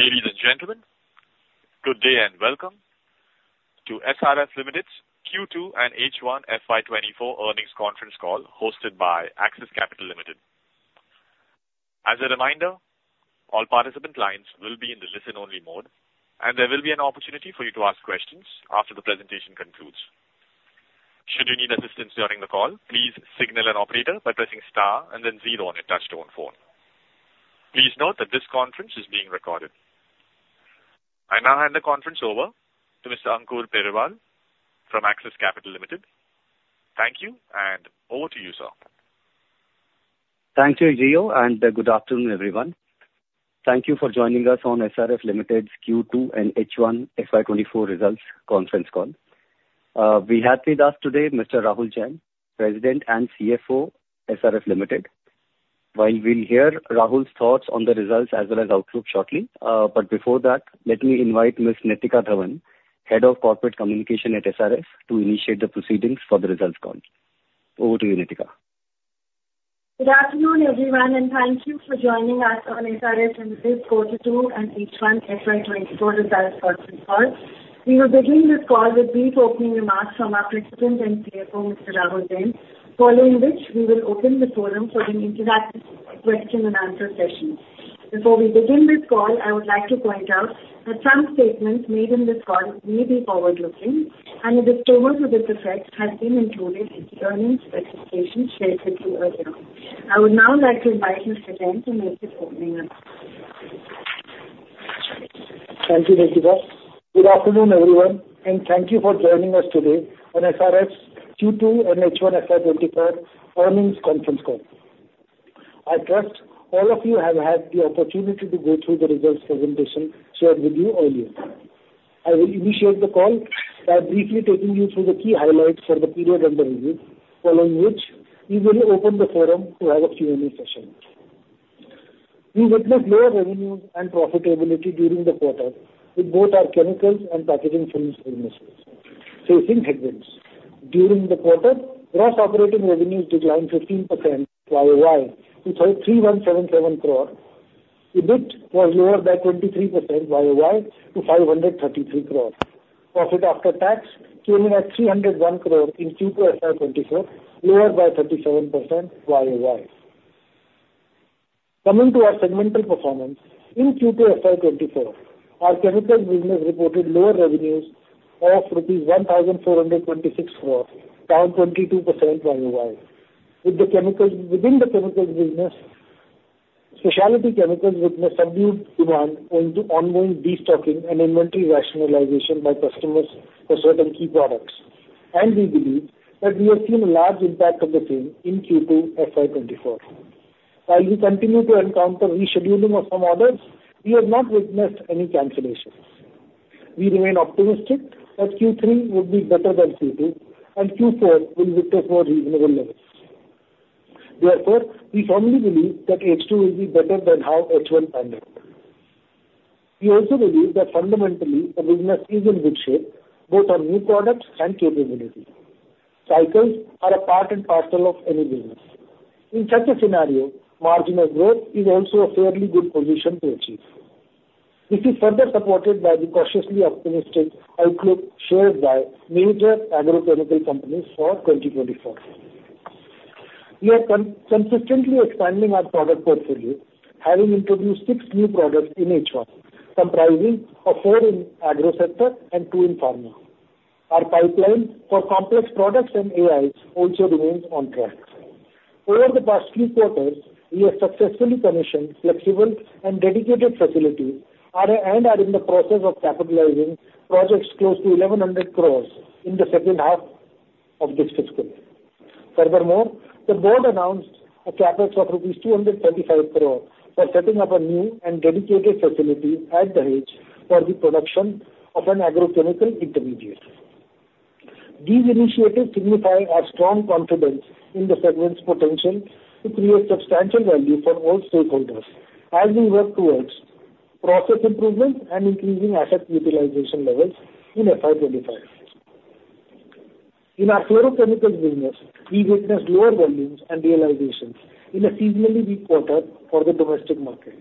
Ladies and gentlemen, good day and welcome to SRF Limited's Q2 and H1 FY 2024 earnings conference call, hosted by Axis Capital Limited. As a reminder, all participant lines will be in the listen-only mode, and there will be an opportunity for you to ask questions after the presentation concludes. Should you need assistance during the call, please signal an operator by pressing star and then zero on your touchtone phone. Please note that this conference is being recorded. I now hand the conference over to Mr. Ankur Periwal from Axis Capital Limited. Thank you, and over to you, sir. Thank you, Gio, and good afternoon, everyone. Thank you for joining us on SRF Limited's Q2 and H1 FY 2024 results conference call. We have with us today Mr. Rahul Jain, President and CFO, SRF Limited. While we'll hear Rahul's thoughts on the results as well as outlook shortly, but before that, let me invite Ms. Nitika Dhawan, Head of Corporate Communications at SRF, to initiate the proceedings for the results call. Over to you, Nitika. Good afternoon, everyone, and thank you for joining us on SRF Limited's Q2 and H1 FY 2024 results conference call. We will begin this call with brief opening remarks from our President and CFO, Mr. Rahul Jain, following which we will open the forum for an interactive question and answer session. Before we begin this call, I would like to point out that some statements made in this call may be forward-looking, and the disclaimer to this effect has been included in the earnings presentation shared with you earlier. I would now like to invite Mr. Jain to make the opening remarks. Thank you, Nitika. Good afternoon, everyone, and thank you for joining us today on SRF's Q2 and H1 FY 2024 earnings conference call. I trust all of you have had the opportunity to go through the results presentation shared with you earlier. I will initiate the call by briefly taking you through the key highlights for the period under review, following which we will open the forum to have a Q&A session. We witnessed lower revenues and profitability during the quarter, with both our chemicals and packaging films businesses facing headwinds. During the quarter, gross operating revenues declined 15% YOY to 3,177 crore. EBIT was lower by 23% YOY to 533 crore. Profit after tax came in at 301 crore in Q2 FY 2024, lower by 37% YOY. Coming to our segmental performance, in Q2 FY 2024, our chemicals business reported lower revenues of INR 1,426 crore, down 22% YOY. Within the chemicals business, specialty chemicals witnessed a subdued demand due to ongoing destocking and inventory rationalization by customers for certain key products, and we believe that we have seen a large impact of the same in Q2 FY 2024. While we continue to encounter rescheduling of some orders, we have not witnessed any cancellations. We remain optimistic that Q3 will be better than Q2, and Q4 will witness more reasonable levels. Therefore, we firmly believe that H2 will be better than how H1 panned out. We also believe that fundamentally the business is in good shape, both on new products and capabilities. Cycles are a part and parcel of any business. In such a scenario, marginal growth is also a fairly good position to achieve. This is further supported by the cautiously optimistic outlook shared by major agrochemical companies for 2024. We are consistently expanding our product portfolio, having introduced six new products in H1, comprising of four in agro sector and two in pharma. Our pipeline for complex products and AIs also remains on track. Over the past three quarters, we have successfully commissioned flexible and dedicated facilities, and are in the process of capitalizing projects close to 1,100 crore in the second half of this fiscal. Furthermore, the board announced a CapEx of INR 235 crore for setting up a new and dedicated facility at Dahej for the production of an agrochemical intermediate. These initiatives signify our strong confidence in the segment's potential to create substantial value for all stakeholders as we work towards process improvements and increasing asset utilization levels in FY 25. In our fluorochemical business, we witnessed lower volumes and realizations in a seasonally weak quarter for the domestic market,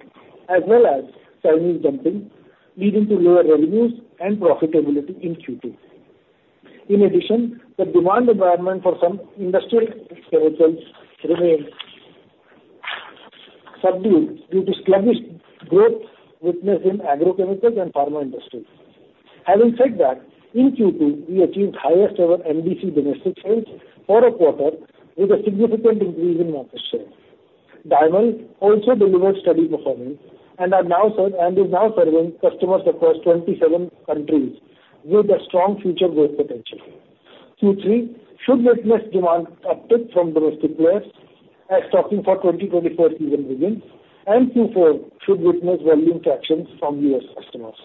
as well as Chinese dumping, leading to lower revenues and profitability in Q2. In addition, the demand environment for some industrial chemicals remained subdued due to sluggish growth witnessed in agrochemicals and pharma industries. Having said that, in Q2, we achieved highest ever MDC domestic sales for a quarter, with a significant increase in market share. Dymel also delivered steady performance and is now serving customers across 27 countries, with a strong future growth potential. Q3 should witness demand uptick from domestic players as stocking for 2024 season begins, and Q4 should witness volume traction from US customers.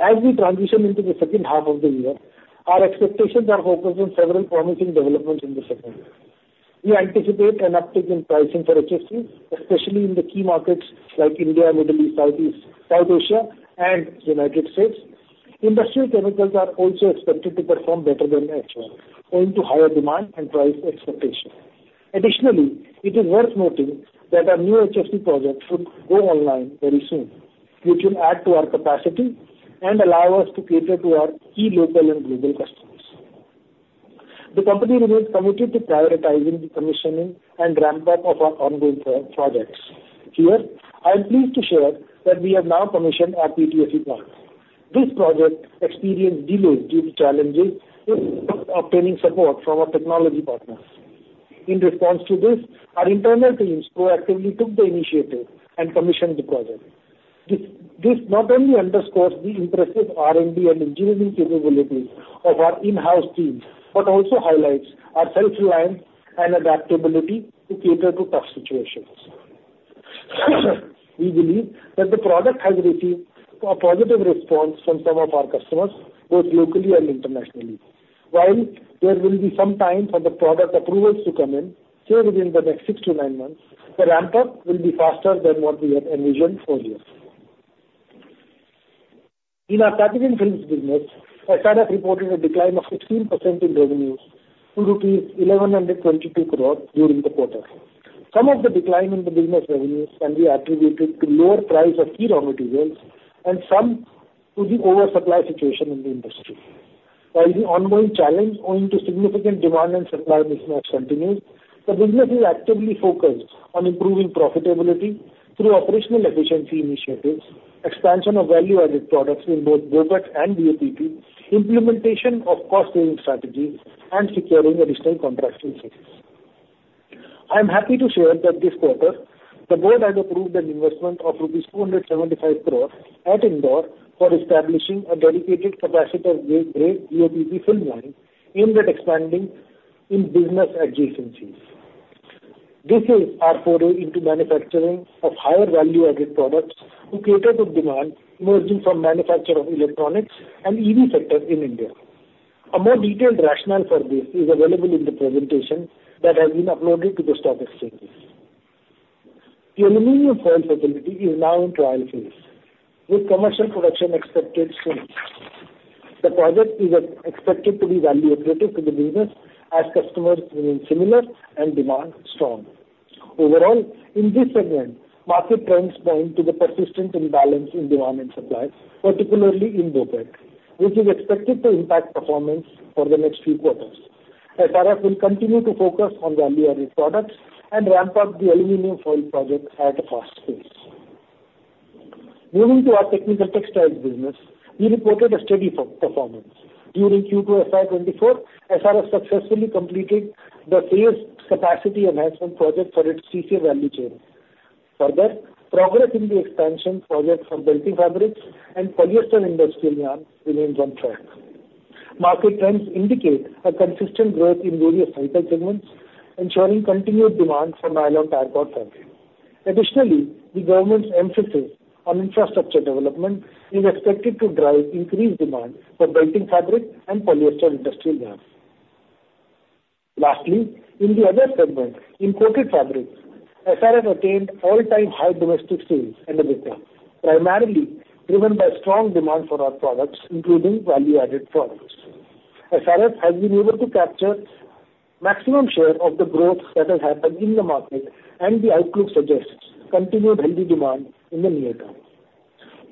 As we transition into the second half of the year, our expectations are focused on several promising developments in the segment. We anticipate an uptick in pricing for HFC, especially in the key markets like India, Middle East, Southeast Asia, South Asia, and United States. Industrial chemicals are also expected to perform better than H1, owing to higher demand and price expectations. Additionally, it is worth noting that our new HFC project should go online very soon, which will add to our capacity and allow us to cater to our key local and global customers. The company remains committed to prioritizing the commissioning and ramp up of our ongoing projects. Here, I am pleased to share that we have now commissioned our PTFE plant. This project experienced delays due to challenges in obtaining support from our technology partners. In response to this, our internal teams proactively took the initiative and commissioned the project. This not only underscores the impressive R&D and engineering capabilities of our in-house teams, but also highlights our self-reliance and adaptability to cater to tough situations. We believe that the product has received a positive response from some of our customers, both locally and internationally. While there will be some time for the product approvals to come in, say, within the next 6-9 months, the ramp-up will be faster than what we had envisioned earlier. In our packaging films business, SRF reported a decline of 16% in revenues to rupees 1,122 crore during the quarter. Some of the decline in the business revenues can be attributed to lower price of key raw materials and some to the oversupply situation in the industry. While the ongoing challenge owing to significant demand and supply mismatch continues, the business is actively focused on improving profitability through operational efficiency initiatives, expansion of value-added products in both BOPET and BOPP, implementation of cost-saving strategies, and securing additional contracting success. I am happy to share that this quarter, the board has approved an investment of INR 275 crore at Indore for establishing a dedicated capacitor grade BOPP film line aimed at expanding in business adjacencies. This is our foray into manufacturing of higher value-added products to cater to demand emerging from manufacture of electronics and EV sector in India. A more detailed rationale for this is available in the presentation that has been uploaded to the stock exchanges. The aluminum foil facility is now in trial phase, with commercial production expected soon. The project is expected to be value accretive to the business as customers remain similar and demand strong. Overall, in this segment, market trends point to the persistent imbalance in demand and supply, particularly in BOPET, which is expected to impact performance for the next few quarters. SRF will continue to focus on value-added products and ramp up the aluminum foil project at a fast pace. Moving to our technical textiles business, we reported a steady performance. During Q2 FY 2024, SRF successfully completed the phase capacity enhancement project for its C6 value chain. Further, progress in the expansion project for belting fabrics and polyester industrial yarn remains on track. Market trends indicate a consistent growth in various vital segments, ensuring continued demand for nylon tire cord fabric. Additionally, the government's emphasis on infrastructure development is expected to drive increased demand for belting fabric and polyester industrial yarns. Lastly, in the other segment, in coated fabrics, SRF attained all-time high domestic sales and EBITDA, primarily driven by strong demand for our products, including value-added products. SRF has been able to capture maximum share of the growth that has happened in the market, and the outlook suggests continued healthy demand in the near term.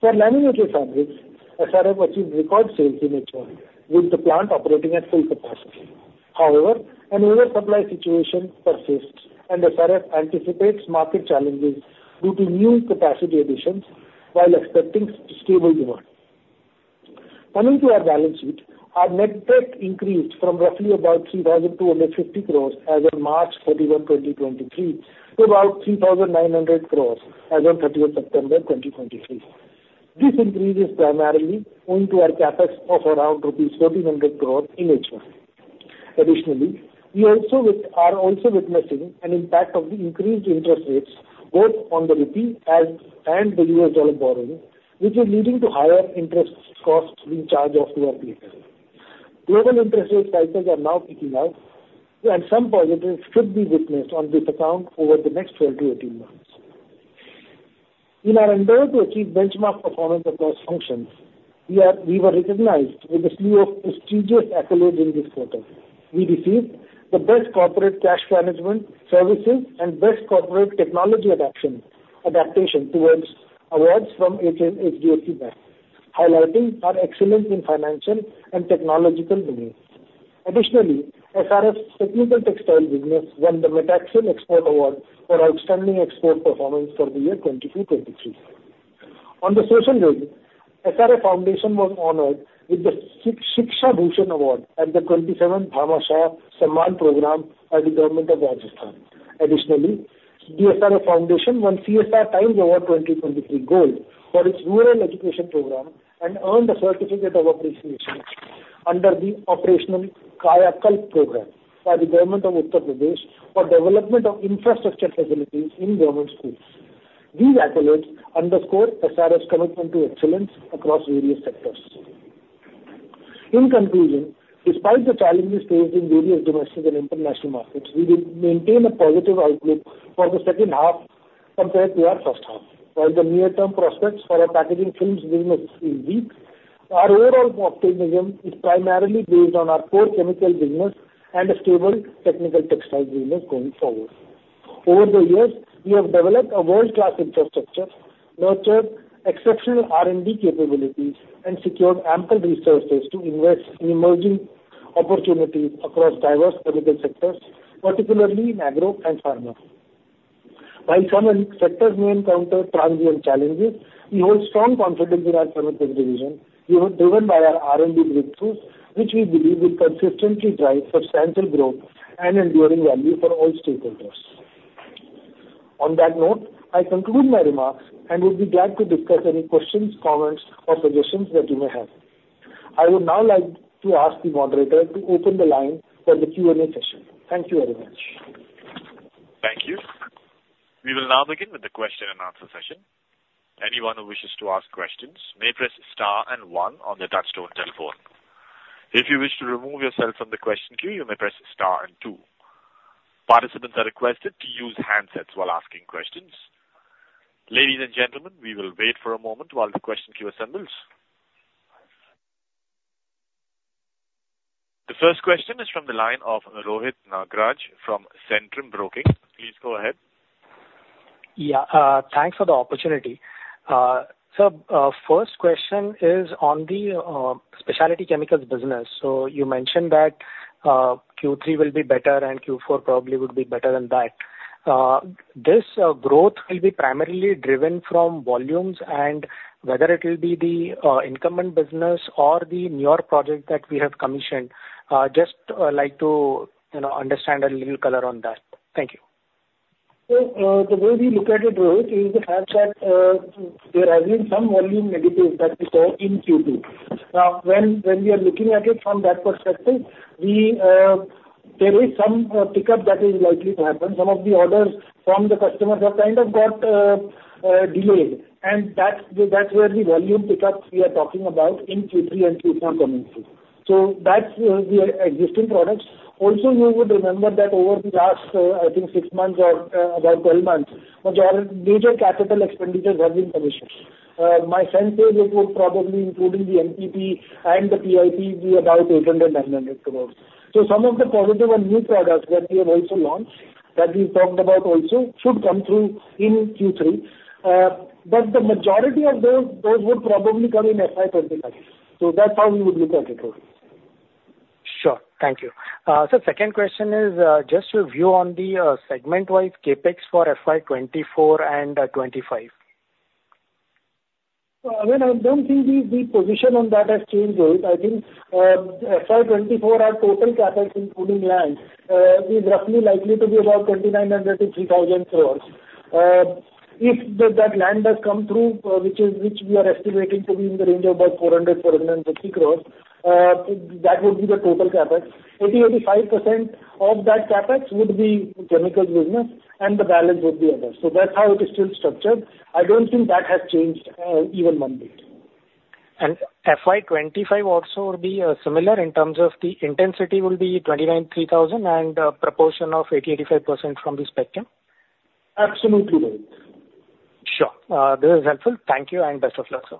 For laminated fabrics, SRF achieved record sales in H1, with the plant operating at full capacity. However, an oversupply situation persists, and SRF anticipates market challenges due to new capacity additions while expecting stable demand. Coming to our balance sheet, our net debt increased from roughly about 3,250 crore as on March 31, 2023, to about 3,900 crore as on September 31, 2023. This increase is primarily owing to our CapEx of around rupees 1,400 crore in H1. Additionally, we are also witnessing an impact of the increased interest rates, both on the rupee and the US dollar borrowing, which is leading to higher interest costs being charged off to our P&L. Global interest rate cycles are now peaking out, and some positives should be witnessed on this account over the next 12-18 months. In our endeavor to achieve benchmark performance across functions, we were recognized with a slew of prestigious accolades in this quarter. We received the Best Corporate Cash Management Services and Best Corporate Technology Adoption Awards from HDFC Bank, highlighting our excellence in financial and technological domains. Additionally, SRF's technical textile business won the MATEXIL Export Award for outstanding export performance for the year 2022-2023. On the social front, SRF Foundation was honored with the Shiksha Bhushan Award at the 27th Bhamashah Samman Program by the Government of Rajasthan. Additionally, the SRF Foundation won CSR Times Award 2023 Gold for its rural education program and earned a certificate of appreciation under the Operation Kayakalp Program by the Government of Uttar Pradesh for development of infrastructure facilities in government schools. These accolades underscore SRF's commitment to excellence across various sectors. In conclusion, despite the challenges faced in various domestic and international markets, we will maintain a positive outlook for the second half compared to our first half. While the near-term prospects for our packaging films business is weak. Our overall optimism is primarily based on our core chemical business and a stable technical textile business going forward. Over the years, we have developed a world-class infrastructure, nurtured exceptional R&D capabilities, and secured ample resources to invest in emerging opportunities across diverse chemical sectors, particularly in agro and pharma. While some sectors may encounter transient challenges, we hold strong confidence in our chemical division, driven by our R&D breakthroughs, which we believe will consistently drive substantial growth and enduring value for all stakeholders. On that note, I conclude my remarks and would be glad to discuss any questions, comments, or suggestions that you may have. I would now like to ask the moderator to open the line for the Q&A session. Thank you very much. Thank you. We will now begin with the question and answer session. Anyone who wishes to ask questions may press star and one on their touchtone telephone. If you wish to remove yourself from the question queue, you may press star and two. Participants are requested to use handsets while asking questions. Ladies and gentlemen, we will wait for a moment while the question queue assembles. The first question is from the line of Rohit Nagraj from Centrum Broking. Please go ahead. Yeah, thanks for the opportunity. So, first question is on the specialty chemicals business. So you mentioned that Q3 will be better, and Q4 probably would be better than that. This growth will be primarily driven from volumes and whether it will be the incumbent business or the newer project that we have commissioned. Just like to, you know, understand a little color on that. Thank you. So, the way we look at it, Rohit, is the fact that there has been some volume additives that we saw in Q2. Now, when we are looking at it from that perspective, there is some pickup that is likely to happen. Some of the orders from the customers have kind of got delayed, and that's where the volume pickups we are talking about in Q3 and Q4 coming through. So that's the existing products. Also, you would remember that over the last, I think six months or about 12 months, major capital expenditures have been commissioned. My sense is it would probably, including the MPP and the, be about 800-900 crore. So some of the positive and new products that we have also launched, that we've talked about also, should come through in Q3. But the majority of those, those would probably come in FY 2029. So that's how we would look at it, Rohit. Sure. Thank you. So second question is, just your view on the, segment-wise CapEx for FY 2024 and 2025. Well, I mean, I don't think the position on that has changed, Rohit. I think FY 2024, our total CapEx, including land, is roughly likely to be about 2,900-3,000 crores. If that land has come through, which we are estimating to be in the range of about 400-450 crores, that would be the total CapEx. 80%-85% of that CapEx would be chemicals business, and the balance would be others. So that's how it is still structured. I don't think that has changed even one bit. FY 2025 also will be similar in terms of the intensity will be 29,300, and a proportion of 80%-85% from the spectrum? Absolutely right. Sure. This is helpful. Thank you, and best of luck, sir.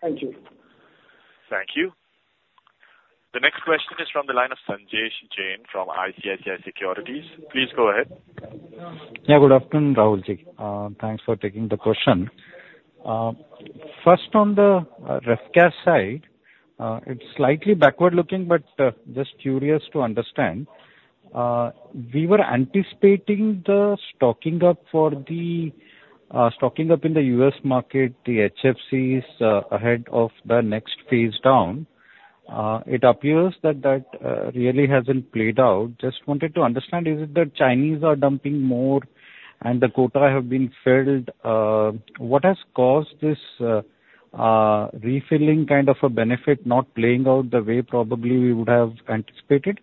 Thank you. Thank you. The next question is from the line of Sanjesh Jain from ICICI Securities. Please go ahead. Yeah, good afternoon, Rahul Jain. Thanks for taking the question. First, on the refrigerants side, it's slightly backward-looking, but just curious to understand. We were anticipating the stocking up for the stocking up in the U.S. market, the HFCs, ahead of the next phase down. It appears that that really hasn't played out. Just wanted to understand, is it that Chinese are dumping more and the quota have been filled? What has caused this refilling kind of a benefit not playing out the way probably we would have anticipated?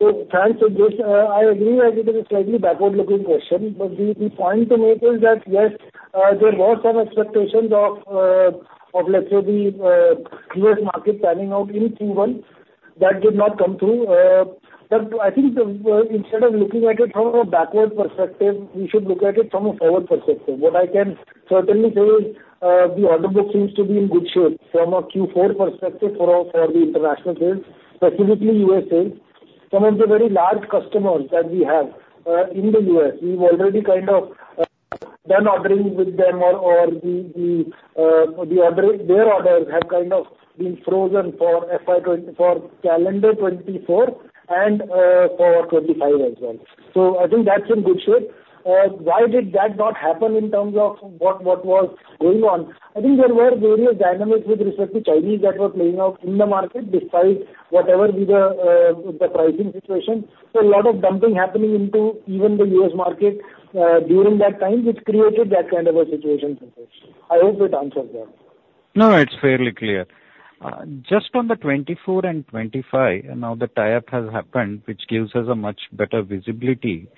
So thanks, Sanjesh. I agree that it is a slightly backward-looking question, but the point to make is that, yes, there were some expectations of, of let's say the US market panning out in Q1. That did not come through. But I think instead of looking at it from a backward perspective, we should look at it from a forward perspective. What I can certainly say is, the order book seems to be in good shape from a Q4 perspective for all, for the international sales, specifically USA. Some of the very large customers that we have in the US, we've already kind of done ordering with them or their orders have kind of been frozen for FY. For calendar 2024 and for 2025 as well. So I think that's in good shape. Why did that not happen in terms of what, what was going on? I think there were various dynamics with respect to Chinese that were playing out in the market, despite whatever be the, the pricing situation. So a lot of dumping happening into even the U.S. market, during that time, which created that kind of a situation. I hope it answers that. No, it's fairly clear. Just on the 2024 and 2025, and now the tie-up has happened, which gives us a much better visibility.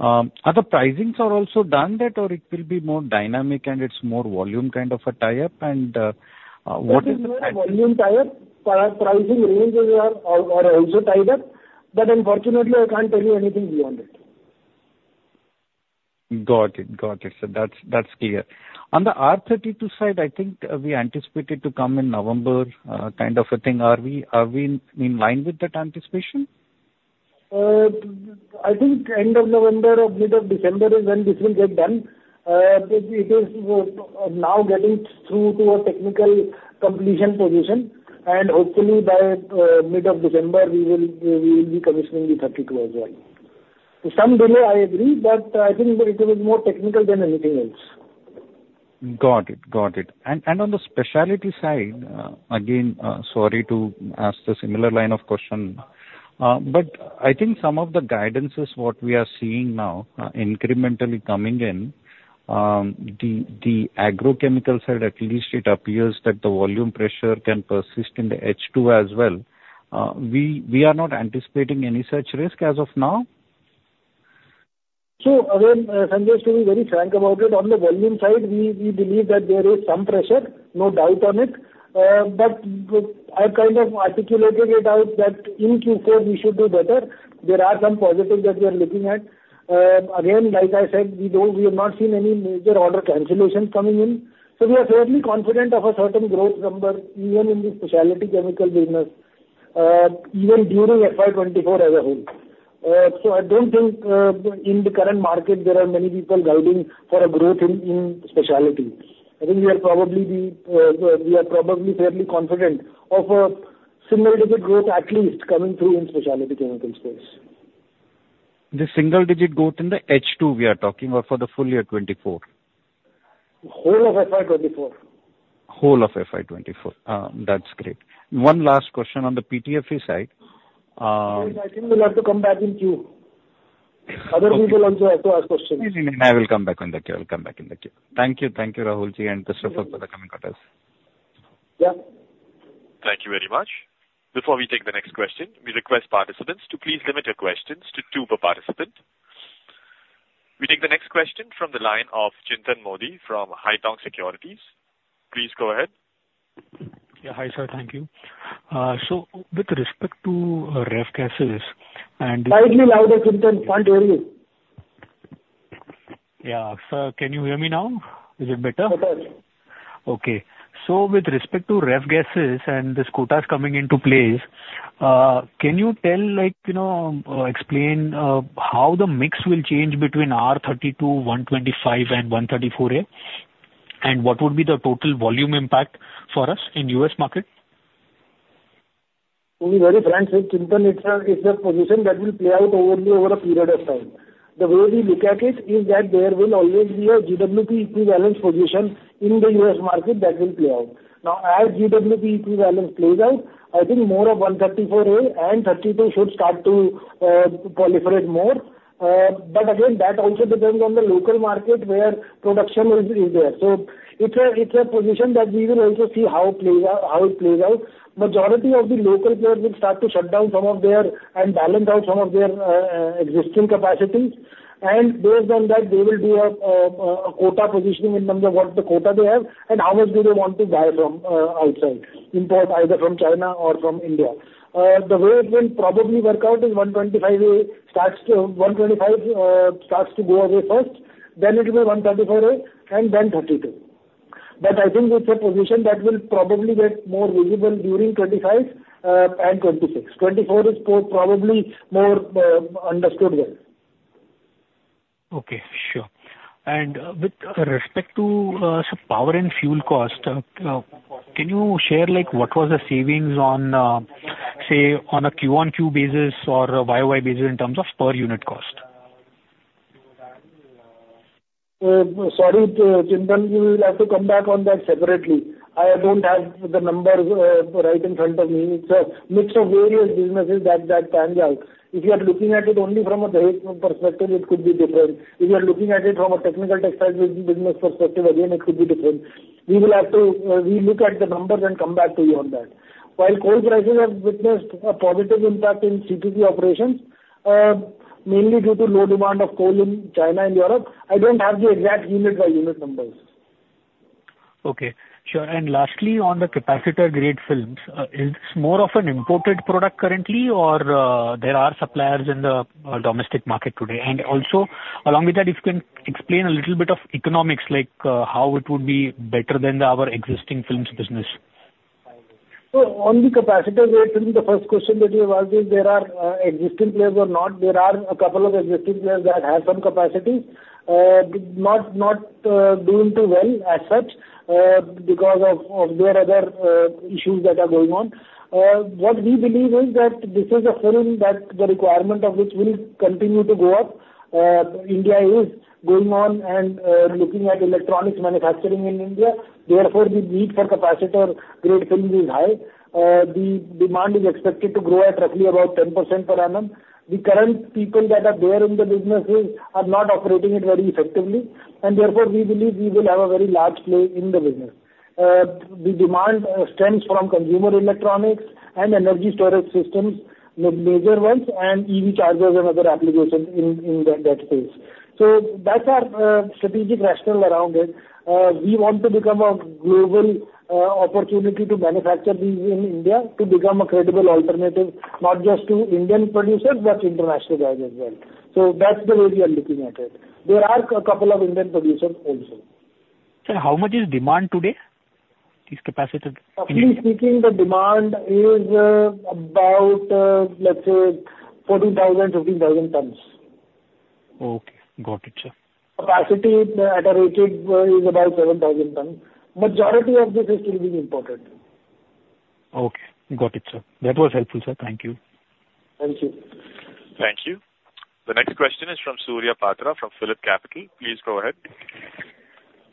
Are the pricings are also done that, or it will be more dynamic and it's more volume kind of a tie-up, and what- Volume tie-up. Our pricing ranges are also tied up, but unfortunately, I can't tell you anything beyond it. Got it, got it, sir. That's, that's clear. On the R32 side, I think we anticipated to come in November, kind of a thing. Are we, are we in line with that anticipation? I think end of November or mid of December is when this will get done. It is now getting through to a technical completion position, and hopefully by mid of December, we will be commissioning the 32 as well. Some delay, I agree, but I think it is more technical than anything else. Got it. Got it. And on the specialty side, again, sorry to ask the similar line of question. But I think some of the guidances what we are seeing now, incrementally coming in, the agrochemical side, at least it appears that the volume pressure can persist in the H2 as well. We are not anticipating any such risk as of now? So again, Sanjesh, to be very frank about it, on the volume side, we, we believe that there is some pressure, no doubt on it. But I've kind of articulated it out that in Q4 we should do better. There are some positives that we are looking at. Again, like I said, we don't-- we have not seen any major order cancellations coming in. So we are fairly confident of a certain growth number, even in the specialty chemical business, even during FY 2024 as a whole. So I don't think, in the current market there are many people guiding for a growth in, in specialty. I think we are probably the, we are probably fairly confident of a single digit growth at least coming through in specialty chemical space. The single-digit growth in the H2, we are talking or for the full year 2024? Whole of FY 2024. Whole of FY 24. That's great. One last question on the PTFE side, I think we'll have to come back in queue. Other people also have to ask questions.No, no, no, I will come back in the queue. I will come back in the queue. Thank you. Thank you, Rahul Jain and rest of the team Yeah. Thank you very much. Before we take the next question, we request participants to please limit your questions to two per participant. We take the next question from the line of Chintan Modi from Haitong Securities. Please go ahead. Yeah. Hi, sir. Thank you. So with respect to ref gases and- Slightly louder, Chintan. Can't hear you. Yeah. Sir, can you hear me now? Is it better? Better. Okay. So with respect to ref gases and this quotas coming into play, can you tell, like, you know, explain how the mix will change between R-32, R-125, and R-134a? And what would be the total volume impact for us in U.S. market? To be very frank, Chintan, it's a position that will play out over, over a period of time. The way we look at it is that there will always be a GWP equilibrium position in the U.S. market that will play out. Now, as GWP balance plays out, I think more of 134a and 32 should start to proliferate more. But again, that also depends on the local market, where production is there. So it's a position that we will also see how it plays out, how it plays out. Majority of the local players will start to shut down some of their. And balance out some of their existing capacity. Based on that, they will do a quota positioning in terms of what the quota they have and how much do they want to buy from outside, import either from China or from India. The way it will probably work out is 125 starts to, 125 starts to go away first, then it will be 134A, and then 32. I think it's a position that will probably get more visible during 2025 and 2026. 2024 is probably more understood well. Okay, sure. And, with respect to, sir, power and fuel cost, can you share, like, what was the savings on, say, on a Q-on-Q basis or a Y-on-Y basis in terms of per unit cost? Sorry, Chintan, we will have to come back on that separately. I don't have the numbers right in front of me. It's a mix of various businesses that, that pans out. If you are looking at it only from a rate perspective, it could be different. If you are looking at it from a technical textile business perspective, again, it could be different. We will have to relook at the numbers and come back to you on that. While coal prices have witnessed a positive impact in CPP operations, mainly due to low demand of coal in China and Europe, I don't have the exact unit by unit numbers. Okay. Sure, and lastly, on the capacitor-grade films, is this more of an imported product currently or there are suppliers in the domestic market today? And also, along with that, if you can explain a little bit of economics, like, how it would be better than our existing films business. So on the capacitor grade film, the first question that you asked is there are existing players or not. There are a couple of existing players that have some capacity, but not doing too well as such, because of their other issues that are going on. What we believe is that this is a film that the requirement of which will continue to go up. India is going on and looking at electronics manufacturing in India, therefore, the need for capacitor-grade film is high. The demand is expected to grow at roughly about 10% per annum. The current people that are there in the businesses are not operating it very effectively, and therefore, we believe we will have a very large play in the business. The demand stems from consumer electronics and energy storage systems, the major ones, and EV chargers and other applications in that space. So that's our strategic rationale around it. We want to become a global opportunity to manufacture these in India, to become a credible alternative, not just to Indian producers, but international guys as well. So that's the way we are looking at it. There are a couple of Indian producers also. Sir, how much is demand today? These capacities. Actually speaking, the demand is about, let's say 40,000-50,000 tons. Okay. Got it, sir. Capacity at a rate is about 7,000 tons. Majority of this is still being imported. Okay, got it, sir. That was helpful, sir. Thank you. Thank you. Thank you. The next question is from Surya Patra, from PhillipCapital. Please go ahead.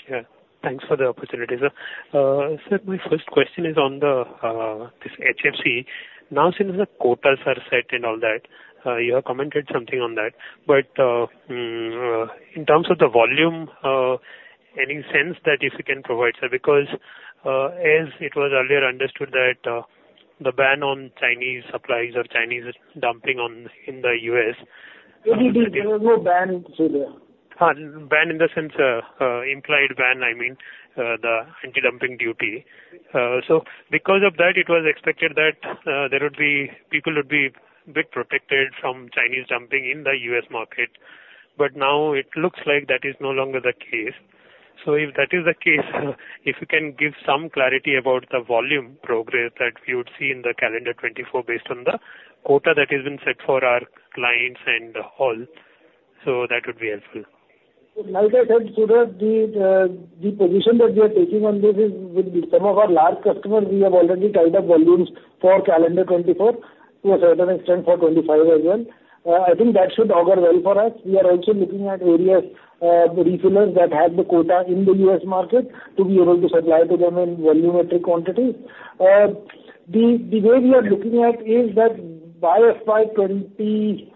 Yeah, thanks for the opportunity, sir. So my first question is on the, this HFC. Now, since the quotas are set and all that, you have commented something on that, but, in terms of the volume, any sense that if you can provide, sir, because, as it was earlier understood that, the ban on Chinese supplies or Chinese dumping on- in the U.S.- There is no ban, Surya. Ban in the sense, implied ban, I mean, the anti-dumping duty. So because of that, it was expected that, there would be people would be a bit protected from Chinese dumping in the U.S. market. But now it looks like that is no longer the case. So if that is the case, if you can give some clarity about the volume progress that we would see in the calendar 2024, based on the quota that has been set for our clients and all. So that would be helpful. Like I said, Surya, the position that we are taking on this is with some of our large customers, we have already tied up volumes for calendar 2024, to a certain extent for 2025 as well. I think that should augur well for us. We are also looking at areas, refillers that have the quota in the U.S. market, to be able to supply to them in volumetric quantity. The way we are looking at is that by FY 2025,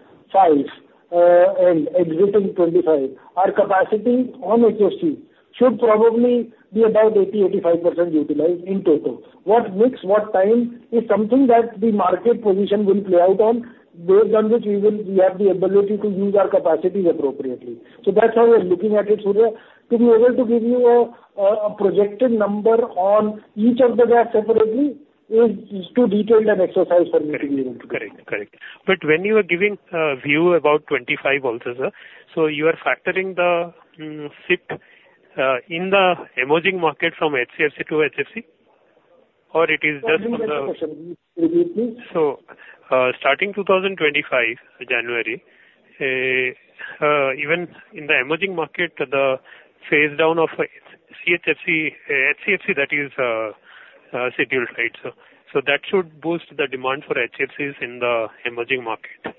and exiting 2025, our capacity on HFC should probably be about 80-85% utilized in total. What mix, what time, is something that the market position will play out on, based on which we will, we have the ability to use our capacities appropriately. So that's how we're looking at it, Surya. To be able to give you a projected number on each of the gas separately is too detailed an exercise for me to get into. Correct. Correct. But when you are giving view about 25 also, sir, so you are factoring the shift in the emerging market from HCFC to HFC? Or it is just from the- Sorry, repeat the question. Repeat, please. Starting 2025, January, even in the emerging market, the phase down of HCFC, that is, scheduled, right? So that should boost the demand for HFCs in the emerging market.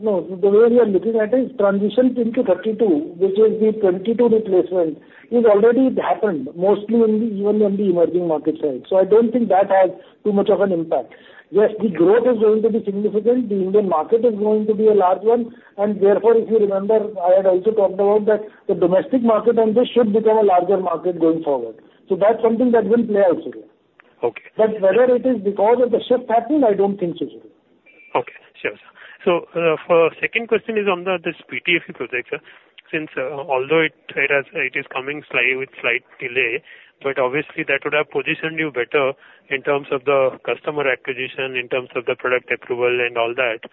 No, the way we are looking at it, transitions into 32, which is the 22 replacement, is already happened, mostly in the, even on the emerging market side. So I don't think that has too much of an impact. Yes, the growth is going to be significant. The Indian market is going to be a large one, and therefore, if you remember, I had also talked about that the domestic market on this should become a larger market going forward. So that's something that will play out as well. Okay. But whether it is because of the shift happening, I don't think so. Okay. Sure, sir. So, for second question is on the, this PTFE project, sir. Since, although it has, it is coming with slight delay, but obviously that would have positioned you better in terms of the customer acquisition, in terms of the product approval and all that.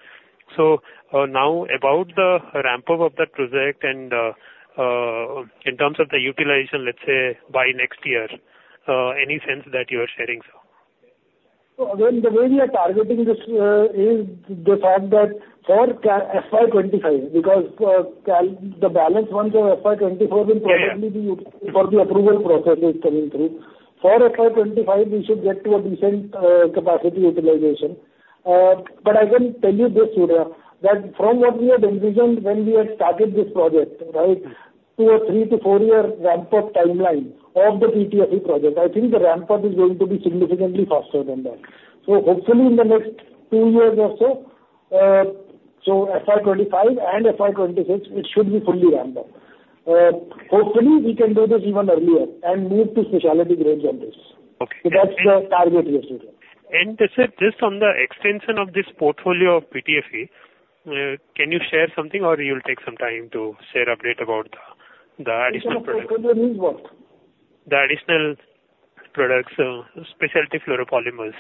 So, now, about the ramp up of the project and, in terms of the utilization, let's say, by next year, any sense that you're sharing, sir? So again, the way we are targeting this is the fact that for FY 2025, because the balance one for FY 2024 will probably be used for the approval process is coming through. For FY 2025, we should get to a decent capacity utilization. But I can tell you this, Surya, that from what we had envisioned when we had started this project, right, two or three to four-year ramp-up timeline of the PTFE project, I think the ramp-up is going to be significantly faster than that. So hopefully, in the next two years or so, so FY 2025 and FY 2026, it should be fully ramped up. Hopefully, we can do this even earlier and move to specialty grades on this. Okay. That's the target here, Surya. Sir, just on the extension of this portfolio of PTFE, can you share something or you'll take some time to share update about the additional product? Additional means what? The additional products, specialty fluoropolymers.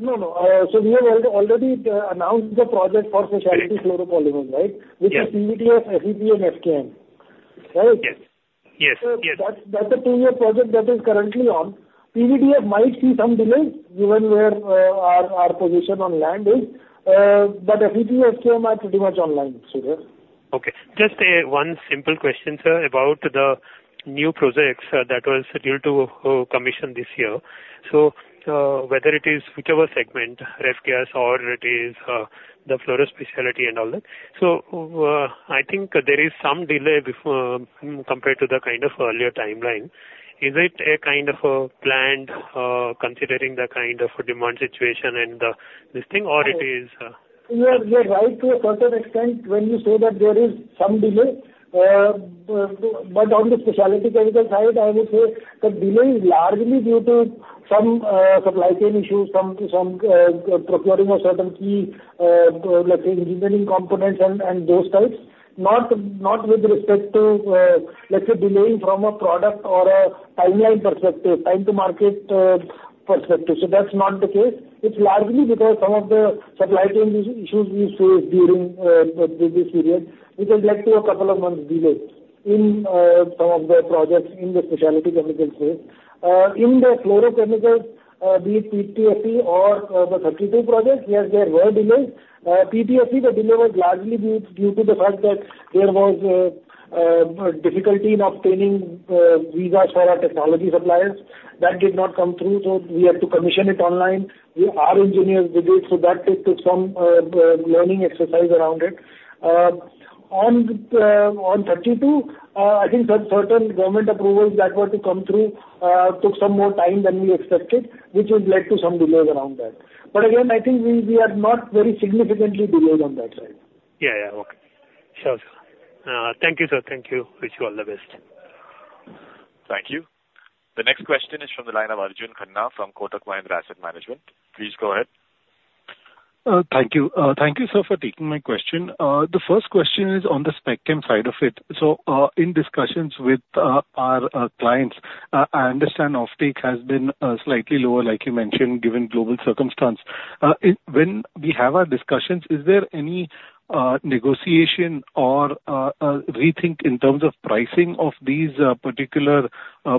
No, no. So we have already announced the project for specialty fluoropolymer, right? Yeah. Which is PVDF, FEP and FKM. Right? Yes. Yes, yes. That's a 2-year project that is currently on. PVDF might see some delay given where our position on land is, but FEP, FKM are pretty much online, Surya. Okay. Just one simple question, sir, about the new projects that was due to commission this year. So, whether it is whichever segment, ref gas, or it is the fluoro specialty and all that. So, I think there is some delay before, compared to the kind of earlier timeline. Is it a kind of planned, considering the kind of demand situation and this thing, or it is? You are, you're right to a certain extent when you say that there is some delay. But on the specialty chemical side, I would say the delay is largely due to some supply chain issues, some procuring of certain key, let's say, engineering components and those types. Not with respect to, let's say, delaying from a product or a timeline perspective, time to market perspective. So that's not the case. It's largely because some of the supply chain issues we faced during this period, which has led to a couple of months delay in some of the projects in the specialty chemicals space. In the fluorochemicals, be it PTFE or the 32 project, yes, there were delays. PTFE, the delay was largely due to the fact that there was a difficulty in obtaining visas for our technology suppliers. That did not come through, so we had to commission it online. Our engineers did it, so that took some learning exercise around it. On 32, I think certain government approvals that were to come through took some more time than we expected, which has led to some delays around that. But again, I think we are not very significantly delayed on that side. Yeah, yeah. Okay. Sure, sir. Thank you, sir. Thank you. Wish you all the best. Thank you. The next question is from the line of Arjun Khanna from Kotak Mahindra Asset Management. Please go ahead. Thank you. Thank you, sir, for taking my question. The first question is on the Spec Chem side of it. So, in discussions with our clients, I understand offtake has been slightly lower, like you mentioned, given global circumstance. In-- when we have our discussions, is there any negotiation or rethink in terms of pricing of these particular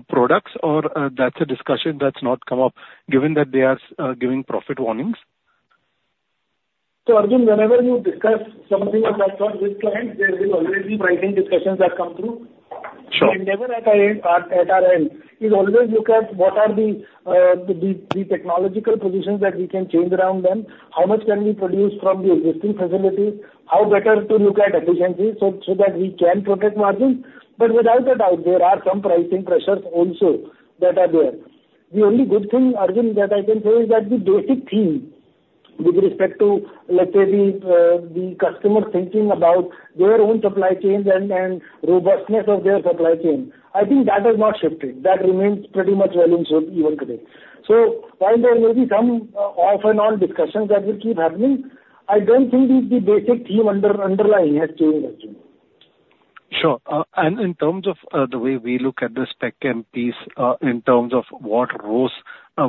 products? Or, that's a discussion that's not come up, given that they are giving profit warnings. Arjun, whenever you discuss some of these aspects with clients, there will always be pricing discussions that come through. Sure. Never at our end, we always look at what are the technological positions that we can change around them, how much can we produce from the existing facilities, how better to look at efficiencies so that we can protect margins. But without a doubt, there are some pricing pressures also that are there. The only good thing, Arjun, that I can say is that the basic theme with respect to, let's say, the customer thinking about their own supply chains and robustness of their supply chain, I think that has not shifted. That remains pretty much well in shape even today. So while there may be some off and on discussions that will keep happening, I don't think the basic theme underlying has changed, Arjun. Sure. And in terms of the way we look at the Spec Chem piece, in terms of what ROEs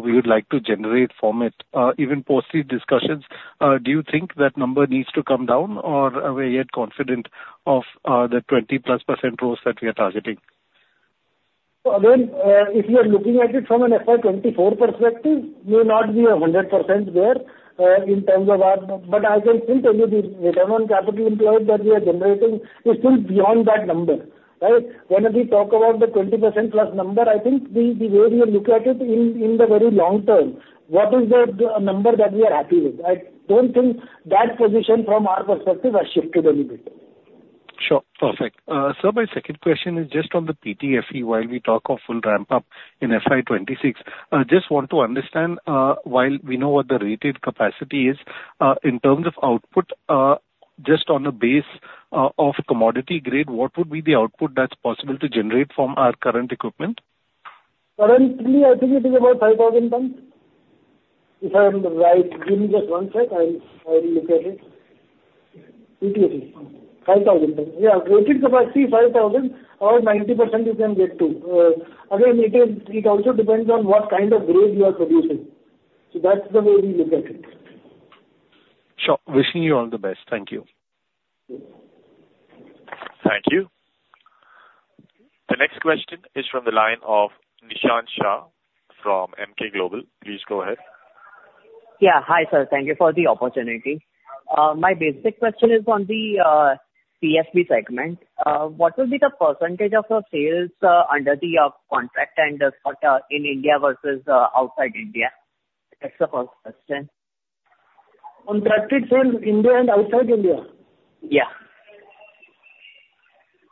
we would like to generate from it, even post these discussions, do you think that number needs to come down, or are we yet confident of the 20%+ ROEs that we are targeting? Again, if you are looking at it from an FY 2024 perspective, we will not be 100% there, in terms of our, But I can still tell you the return on capital employed that we are generating is still beyond that number, right? When we talk about the 20%+ number, I think the way we look at it, in the very long term, what is the number that we are happy with? I don't think that position from our perspective has shifted any bit. Sure. Perfect. Sir, my second question is just on the PTFE, while we talk of full ramp up in FY 2026. Just want to understand, while we know what the rated capacity is, in terms of output, just on the base, of commodity grade, what would be the output that's possible to generate from our current equipment? Currently, I think it is about 5,000 tons. If I'm right, give me just one sec, I'll look at it. PTFE, 5,000 tons. Yeah, rated capacity 5,000, or 90% you can get to. Again, it is, it also depends on what kind of grade you are producing. So that's the way we look at it. Sure. Wishing you all the best. Thank you. Thank you. The next question is from the line of Nishant Shah from Emkay Global. Please go ahead. Yeah. Hi, sir. Thank you for the opportunity. My basic question is on the PFB segment. What will be the percentage of the sales under the contract and for in India versus outside India? That's the first question. Contracted sales, India and outside India? Yeah.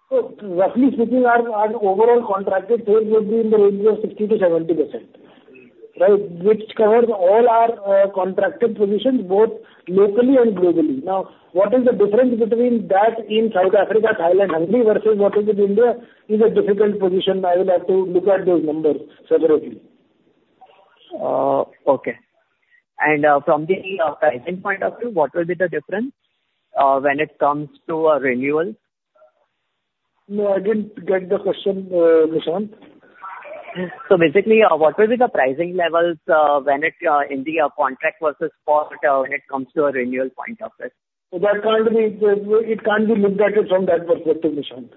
So roughly speaking, our, our overall contracted sales will be in the range of 60%-70%, right? Which covers all our contracted positions, both locally and globally. Now, what is the difference between that in South Africa, Thailand, Hungary versus what is in India, is a difficult position. I will have to look at those numbers separately. Okay. From the pricing point of view, what will be the difference when it comes to a renewal? No, I didn't get the question, Nishant. So basically, what will be the pricing levels when it's in the contract versus spot, when it comes to a renewal point of it? So that can't be, it can't be looked at it from that perspective, Nishant.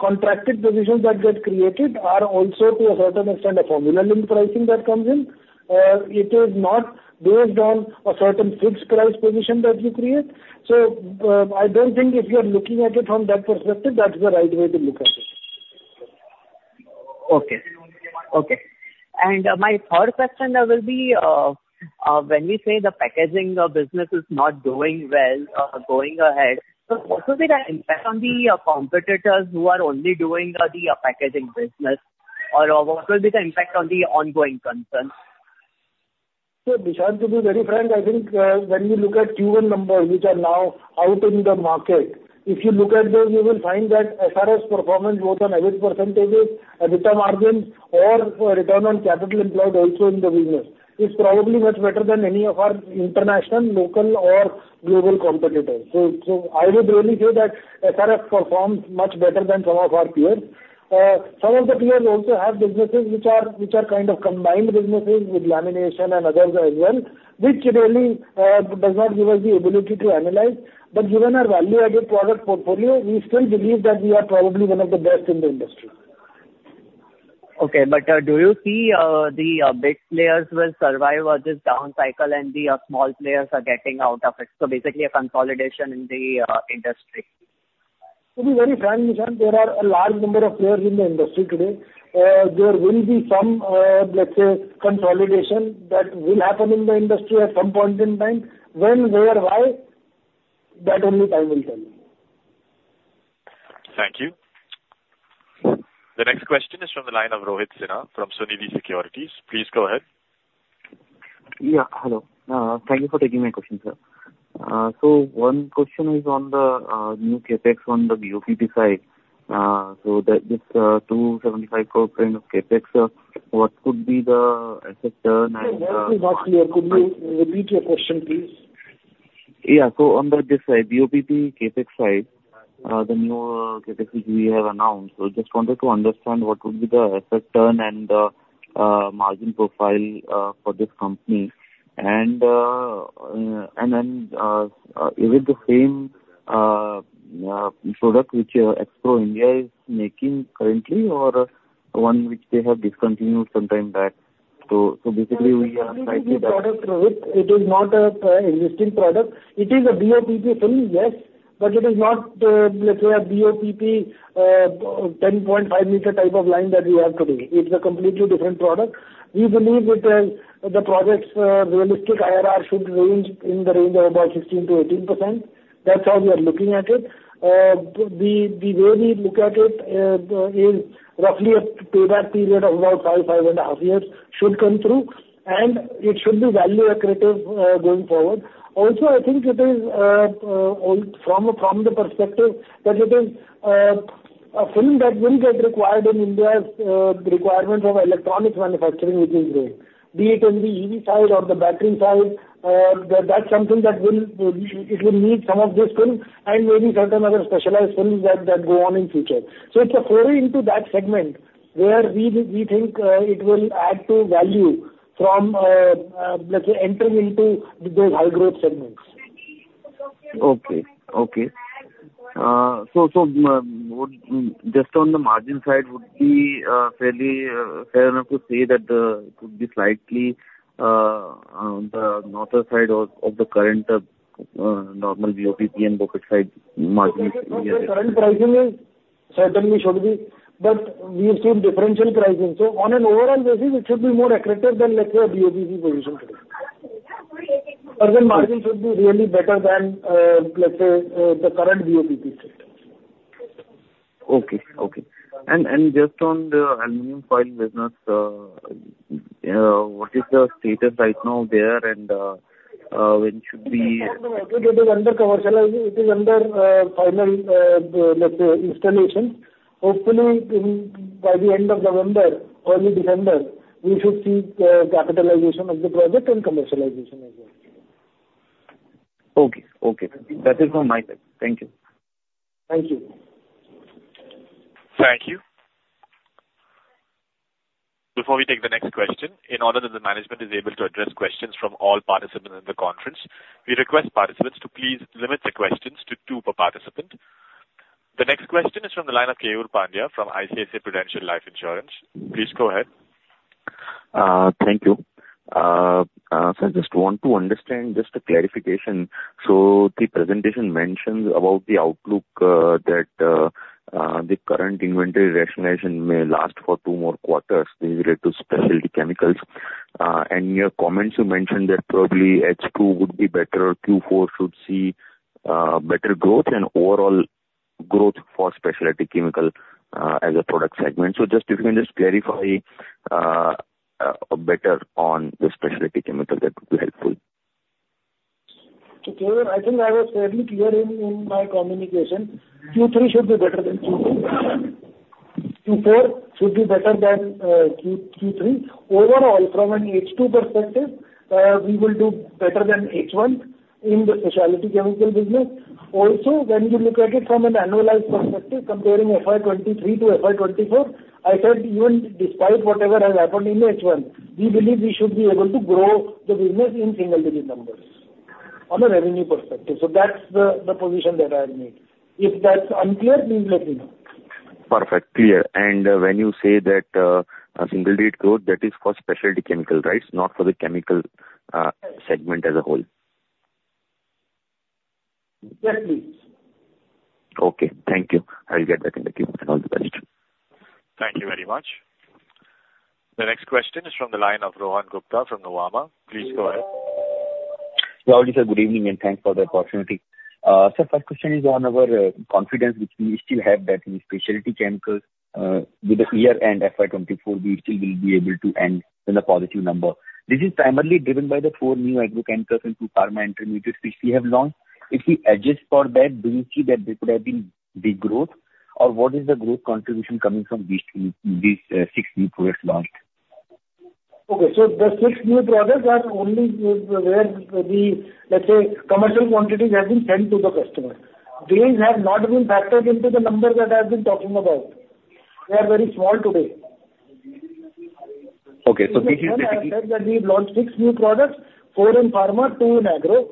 Contracted positions that get created are also to a certain extent, a formula in pricing that comes in. It is not based on a certain fixed price position that you create. So, I don't think if you're looking at it from that perspective, that's the right way to look at it. Okay. Okay. And, my third question will be, when we say the packaging of business is not doing well, going ahead, so what will be the impact on the, competitors who are only doing, the, packaging business? Or, what will be the impact on the ongoing concerns? So Nishant, to be very frank, I think, when you look at Q1 numbers, which are now out in the market, if you look at those, you will find that SRF performance, both on EBIT percentages, EBITDA margins or return on capital employed also in the business, is probably much better than any of our international, local or global competitors. So, so I would really say that SRF performs much better than some of our peers. Some of the players also have businesses which are, which are kind of combined businesses with lamination and others as well, which really does not give us the ability to analyze. But given our value-added product portfolio, we still believe that we are probably one of the best in the industry. Okay. But do you see the big players will survive on this down cycle and the small players are getting out of it, so basically a consolidation in the industry? To be very frank, Nishant, there are a large number of players in the industry today. There will be some, let's say, consolidation that will happen in the industry at some point in time. When, where, why, that only time will tell. Thank you. The next question is from the line of Rohit Sinha from Sunidhi Securities. Please go ahead. Yeah, hello. Thank you for taking my question, sir. So one question is on the new CapEx on the BOPP side. So that this 275 crore kind of CapEx, what could be the asset turn and- Sorry, that was not clear. Could you repeat your question, please? Yeah. So on the this side, BOPP CapEx side, the new CapEx which we have announced. So just wanted to understand what would be the asset turn and margin profile for this company. And then is it the same product which Xpro India is making currently, or one which they have discontinued some time back? So basically we are slightly- It is not a existing product. It is a BOPP film, yes, but it is not, let's say a BOPP, 10.5 meter type of line that we have today. It's a completely different product. We believe it, the project's realistic IRR should range in the range of about 16%-18%. That's how we are looking at it. The way we look at it, is roughly a payback period of about 5, 5.5 years should come through, and it should be value accretive, going forward. Also, I think it is from the perspective that it is a film that will get required in India's requirement of electronics manufacturing, which is growing, be it in the EV side or the battery side. That's something that will, it will need some of this film and maybe certain other specialized films that go on in future. So it's a foray into that segment, where we think it will add to value from, let's say, entering into those high growth segments. Okay. Okay. So, so, just on the margin side, would be fairly fair enough to say that the, it could be slightly the north side of of the current normal BOPP and BOPP side margins? The current pricing is certainly should be, but we assume differential pricing. So on an overall basis, it should be more accretive than, let's say, a BOPP position today. But the margin should be really better than, let's say, the current BOPP systems. Okay. Okay. And just on the aluminum foil business, what is the status right now there? And when should be- It is under commercializing. It is under final, let's say, installation. Hopefully, in by the end of November, early December, we should see capitalization of the project and commercialization as well. Okay. Okay. That is all my side. Thank you. Thank you. Thank you. Before we take the next question, in order that the management is able to address questions from all participants in the conference, we request participants to please limit the questions to two per participant. The next question is from the line of Keyur Pandya from ICICI Prudential Life Insurance. Please go ahead. Thank you. I just want to understand, just a clarification. The presentation mentions about the outlook, that the current inventory rationalization may last for two more quarters with regard to specialty chemicals. And your comments, you mentioned that probably H2 would be better, or Q4 should see better growth and overall growth for specialty chemical as a product segment. Just if you can just clarify better on the specialty chemical, that would be helpful. Keyur, I think I was fairly clear in my communication. Q3 should be better than Q2. Q4 should be better than Q3. Overall, from an H2 perspective, we will do better than H1 in the specialty chemical business. Also, when you look at it from an annualized perspective, comparing FY 2023 to FY 2024, I said even despite whatever has happened in H1, we believe we should be able to grow the business in single digit numbers on a revenue perspective. So that's the, the position that I have made. If that's unclear, please let me know. Perfect. Clear. And when you say that, a single-digit growth, that is for specialty chemicals, right? Not for the chemicals, Yes. segment as a whole. Yes, please. Okay, thank you. I'll get back in the queue, and all the best. Thank you very much. The next question is from the line of Rohan Gupta from Nuvama. Please go ahead. Yeah, sir. Good evening, and thanks for the opportunity. Sir, first question is on our confidence, which we still have that in specialty chemicals, with the Q4 and FY 2024, we still will be able to end in a positive number. This is primarily driven by the four new agrochemicals and two pharma intermediates which we have launched. If we adjust for that, do you see that there could have been big growth, or what is the growth contribution coming from these two, these, six new products launched? Okay, so the six new products are only where the, let's say, commercial quantities have been sent to the customer. These have not been factored into the numbers that I've been talking about. They are very small today. Okay, so this is- I have said that we've launched 6 new products, 4 in pharma, 2 in agro.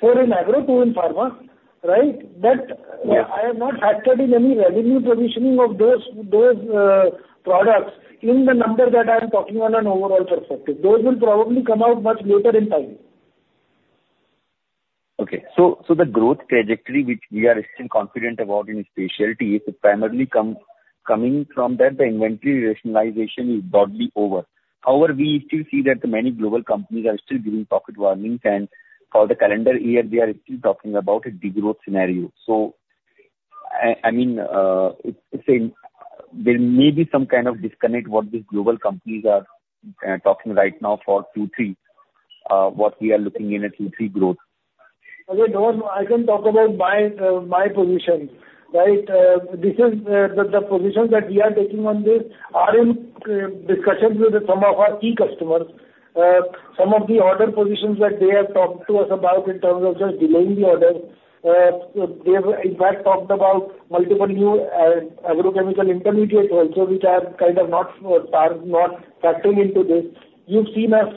4 in agro, 2 in pharma, right? But I have not factored in any revenue positioning of those products in the number that I'm talking on an overall perspective. Those will probably come out much later in time. Okay. So the growth trajectory, which we are still confident about in specialty, is primarily coming from that the inventory rationalization is broadly over. However, we still see that many global companies are still giving profit warnings, and for the calendar year, we are still talking about a degrowth scenario. So, I mean, saying there may be some kind of disconnect what these global companies are talking right now for Q3, what we are looking in a Q3 growth. Okay, Rohan, I can talk about my position, right? This is the positions that we are taking on this are in discussions with some of our key customers. Some of the order positions that they have talked to us about in terms of just delaying the order, they have in fact talked about multiple new agrochemical intermediates also, which are kind of not, are not factoring into this. You've seen us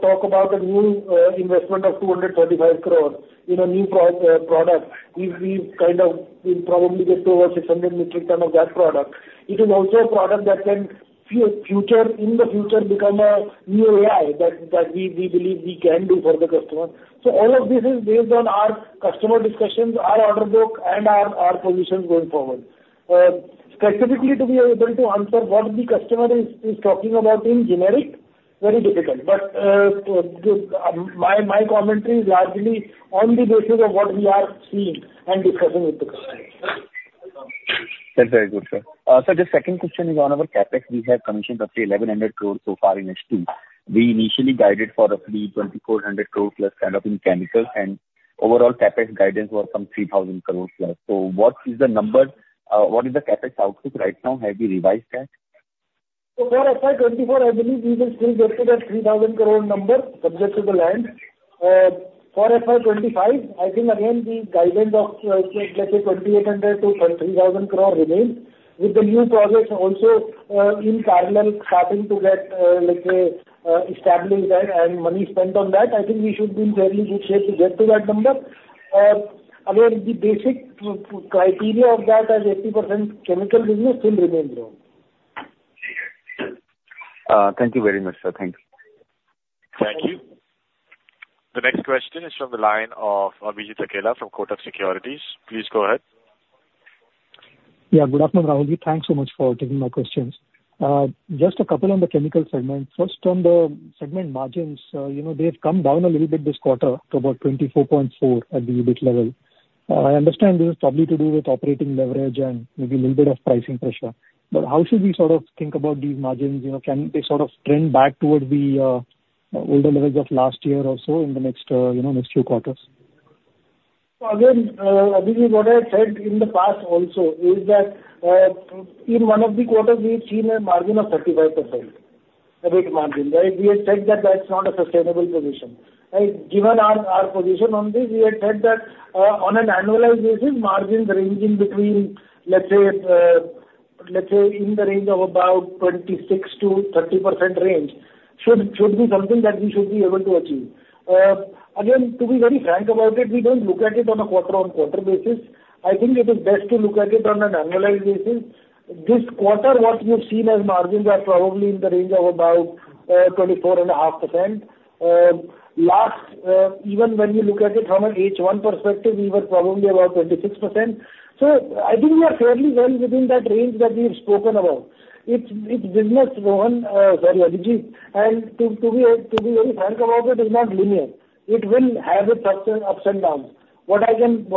talk about a new investment of 235 crore in a new product. We've kind of. We've probably get to over 600 metric tons of that product. It is also a product that can future, in the future, become a new AI that we believe we can do for the customer. So all of this is based on our customer discussions, our order book, and our positions going forward. Specifically, to be able to answer what the customer is talking about in general, very difficult. But, my commentary is largely on the basis of what we are seeing and discussing with the customer. That's very good, sir. Sir, the second question is on our CapEx. We have commissioned roughly 1,100 crore so far in H2. We initially guided for roughly 2,400 crore plus, kind of, in chemicals, and overall CapEx guidance was some 3,000 crore plus. So what is the number? What is the CapEx outlook right now? Have you revised that? So for FY 2024, I believe we will still get to that INR 3,000 crore number, subject to the land. For FY 2025, I think again, the guidance of, let's say, INR 2,800 crore-INR 3,000 crore remains. With the new projects also, in parallel, starting to get, let's say, established and, and money spent on that, I think we should be in fairly good shape to get to that number. Again, the basic mix criteria of that as 80% chemical business still remains low. Thank you very much, sir. Thank you. Thank you. The next question is from the line of Abhijit Akella from Kotak Securities. Please go ahead. Yeah, good afternoon, Rahul. Thanks so much for taking my questions. Just a couple on the chemical segment. First, on the segment margins, you know, they have come down a little bit this quarter to about 24.4 at the EBIT level. I understand this is probably to do with operating leverage and maybe a little bit of pricing pressure. But how should we sort of think about these margins? You know, can they sort of trend back toward the older levels of last year or so in the next, you know, next few quarters? Again, Abhijit, what I said in the past also is that, in one of the quarters, we've seen a margin of 35%, EBIT margin, right? We have said that that's not a sustainable position, right? Given our, our position on this, we had said that, on an annualized basis, margins ranging between, let's say, let's say in the range of about 26%-30% range, should, should be something that we should be able to achieve. Again, to be very frank about it, we don't look at it on a quarter-on-quarter basis. I think it is best to look at it on an annualized basis. This quarter, what you've seen as margins are probably in the range of about, 24.5%. Last even when you look at it from an H1 perspective, we were probably about 26%. So I think we are fairly well within that range that we've spoken about. It's business, Rohan, sorry, Abhijit, and to be very frank about it, is not linear. It will have its ups and downs. What I'm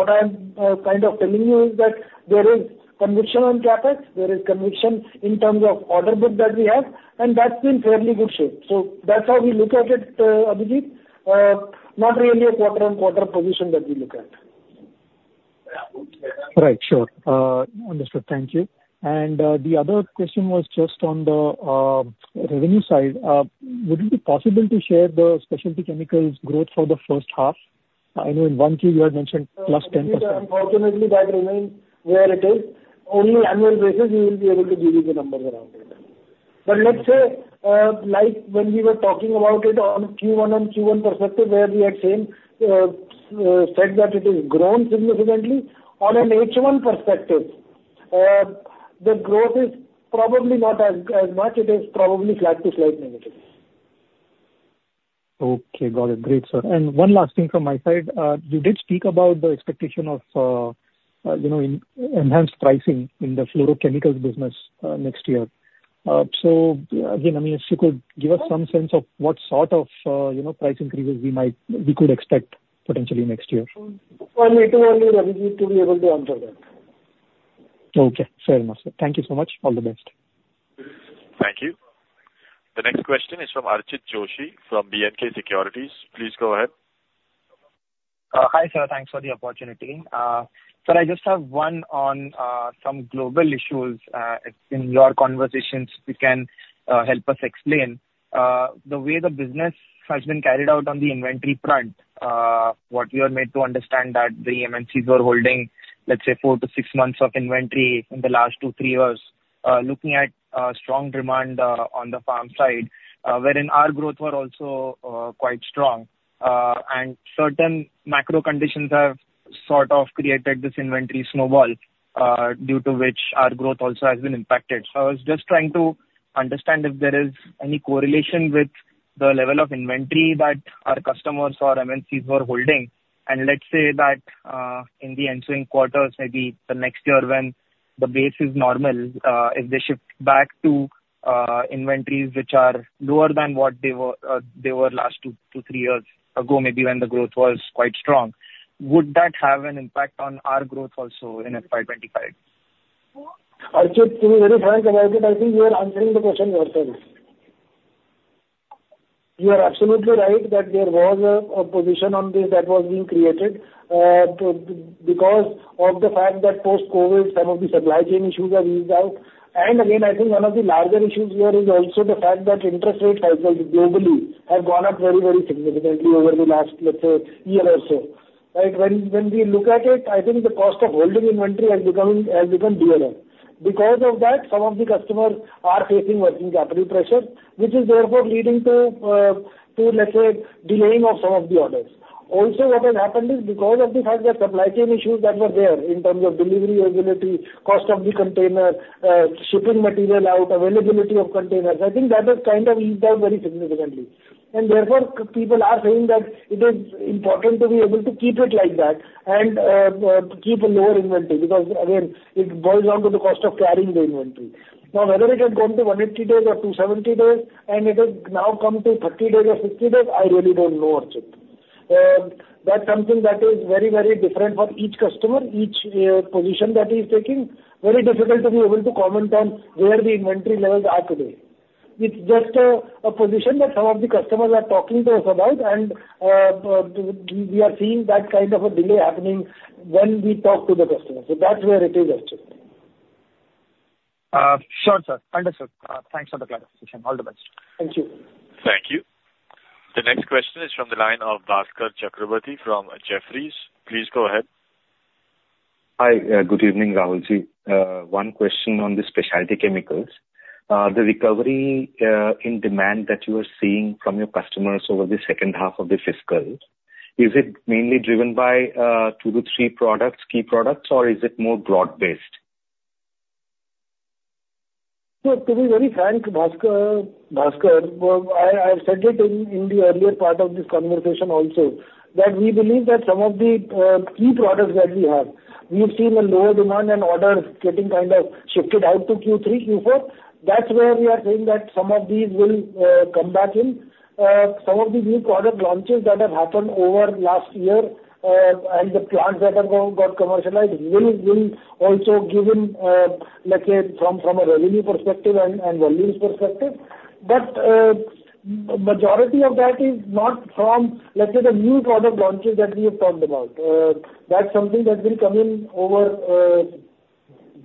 kind of telling you is that there is conviction on CapEx, there is conviction in terms of order book that we have, and that's in fairly good shape. So that's how we look at it, Abhijit. Not really a quarter-on-quarter position that we look at. Right. Sure. Understood. Thank you. And, the other question was just on the revenue side. Would it be possible to share the specialty chemicals growth for the first half? I know in one Q, you had mentioned +10%. Unfortunately, that remains where it is. Only annual basis, we will be able to give you the numbers around it. But let's say, like when we were talking about it on Q1 and Q1 perspective, where we had same, said that it is grown significantly. On an H1 perspective, the growth is probably not as much. It is probably flat to slight negative. Okay, got it. Great, sir. And one last thing from my side. You did speak about the expectation of, you know, enhanced pricing in the fluorochemicals business next year. So again, I mean, if you could give us some sense of what sort of, you know, price increases we could expect potentially next year. Well, it is early, Abhijit, to be able to answer that. Okay. Fair enough, sir. Thank you so much. All the best. Thank you. The next question is from Archit Joshi, from B&K Securities. Please go ahead. Hi, sir. Thanks for the opportunity. Sir, I just have one on some global issues, in your conversations, you can help us explain. The way the business has been carried out on the inventory front, what we are made to understand that the MNCs were holding, let's say, 4-6 months of inventory in the last 2-3 years, looking at strong demand on the farm side. Wherein our growth were also quite strong, and certain macro conditions have sort of created this inventory snowball, due to which our growth also has been impacted. So I was just trying to understand if there is any correlation with the level of inventory that our customers or MNCs were holding. Let's say that, in the ensuing quarters, maybe the next year, when the base is normal, if they shift back to inventories which are lower than what they were, they were last 2-3 years ago, maybe when the growth was quite strong, would that have an impact on our growth also in FY 25? I think, to be very frank about it, I think you are answering the question yourself. You are absolutely right that there was a position on this that was being created, because of the fact that post-COVID, some of the supply chain issues have eased out. And again, I think one of the larger issues here is also the fact that interest rates cycles globally have gone up very, very significantly over the last, let's say, year or so. Right. When we look at it, I think the cost of holding inventory has become dearer. Because of that, some of the customers are facing working capital pressure, which is therefore leading to, to, let's say, delaying of some of the orders. Also, what has happened is because of the fact that supply chain issues that were there in terms of delivery ability, cost of the container, shipping material out, availability of containers, I think that has kind of eased out very significantly. And therefore, people are saying that it is important to be able to keep it like that and keep a lower inventory, because, again, it boils down to the cost of carrying the inventory. Now, whether it has gone to 180 days or 270 days, and it has now come to 30 days or 50 days, I really don't know, Archit. That's something that is very, very different for each customer, each position that he's taking. Very difficult to be able to comment on where the inventory levels are today. It's just a position that some of the customers are talking to us about, and we are seeing that kind of a delay happening when we talk to the customers. So that's where it is, Archit. Sure, sir. Understood. Thanks for the clarification. All the best. Thank you. Thank you. The next question is from the line of Bhaskar Chakraborty from Jefferies. Please go ahead. Hi, good evening, Rahul Jain. One question on the specialty chemicals. The recovery in demand that you are seeing from your customers over the second half of the fiscal, is it mainly driven by 2-3 products, key products, or is it more broad-based? So to be very frank, Bhaskar, Bhaskar, well, I've said it in the earlier part of this conversation also, that we believe that some of the key products that we have, we've seen a lower demand and orders getting kind of shifted out to Q3, Q4. That's where we are saying that some of these will come back in. Some of the new product launches that have happened over last year and the plans that have got commercialized will also give him, let's say, from a revenue perspective and volumes perspective. But majority of that is not from, let's say, the new product launches that we have talked about. That's something that will come in over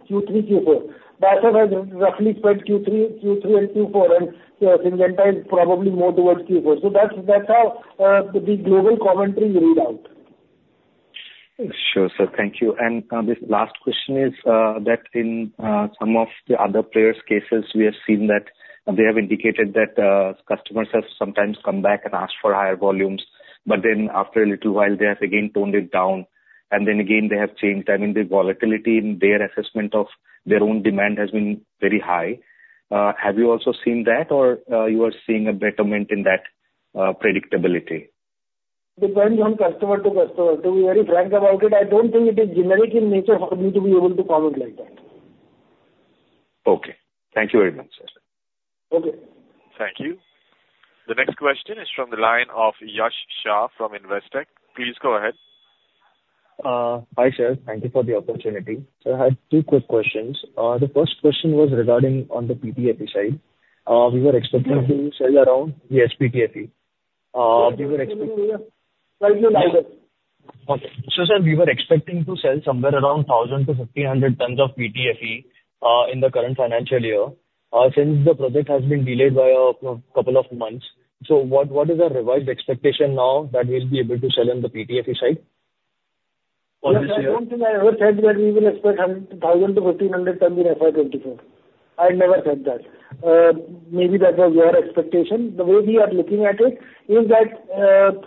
Q3, Q4. Bhaskar has roughly spread Q3, Q3 and Q4, and Syngenta is probably more towards Q4. So that's, that's how the global commentary read out. Sure, sir. Thank you. This last question is that in some of the other players' cases, we have seen that they have indicated that customers have sometimes come back and asked for higher volumes, but then after a little while, they have again toned it down, and then again, they have changed. I mean, the volatility in their assessment of their own demand has been very high. Have you also seen that, or you are seeing a betterment in that predictability? Depends on customer to customer. To be very frank about it, I don't think it is generic in nature for me to be able to comment like that. Okay. Thank you very much, sir. Okay. Thank you. The next question is from the line of Yash Shah from Investec. Please go ahead. Hi, sir. Thank you for the opportunity. Sir, I have two quick questions. The first question was regarding on the PTFE side. We were expecting- Yeah. to sell around. Yes, PTFE. We were expecting- Yeah. Okay. So, sir, we were expecting to sell somewhere around 1,000-1,500 tons of PTFE in the current financial year. Since the project has been delayed by a couple of months, so what, what is our revised expectation now that we'll be able to sell on the PTFE side for this year? I don't think I ever said that we will expect 1,000-1,500 tons in FY 2024. I never said that. Maybe that was your expectation. The way we are looking at it is that,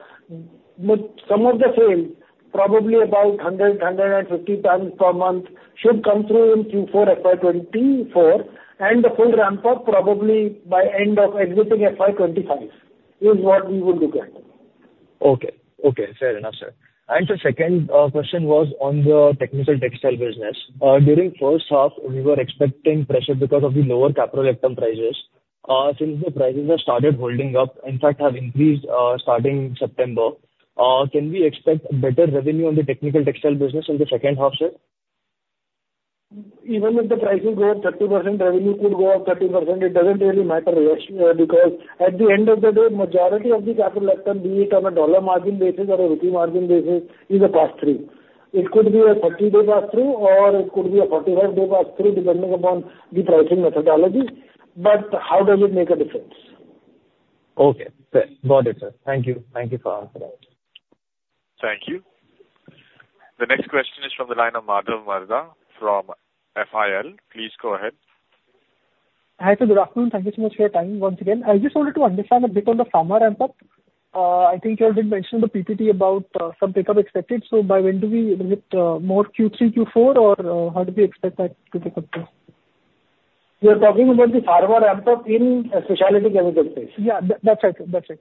some of the sales, probably about 100-150 tons per month, should come through in Q4 FY 2024, and the full ramp-up probably by end of everything FY 2025, is what we would look at. Okay. Okay, fair enough, sir. And the second question was on the technical textile business. During first half, we were expecting pressure because of the lower Caprolactam prices. Since the prices have started holding up, in fact, have increased, starting September, can we expect better revenue on the technical textile business in the second half, sir? Even if the prices go up 30%, revenue could go up 30%. It doesn't really matter, yes, because at the end of the day, majority of the Caprolactam, be it on a dollar margin basis or a rupee margin basis, is a pass through. It could be a 30-day pass through, or it could be a 45-day pass through, depending upon the pricing methodology, but how does it make a difference? Okay. Got it, sir. Thank you. Thank you for answering that. Thank you. The next question is from the line of Madhav Marda from FIL. Please go ahead. Hi, sir, good afternoon. Thank you so much for your time once again. I just wanted to understand a bit on the pharma ramp up. I think you had been mentioned the PPT about some pickup expected, so by when do we expect more Q3, Q4, or how do we expect that to pick up then? You're talking about the pharma ramp up in specialty chemicals space? Yeah, that, that's right, sir. That's right.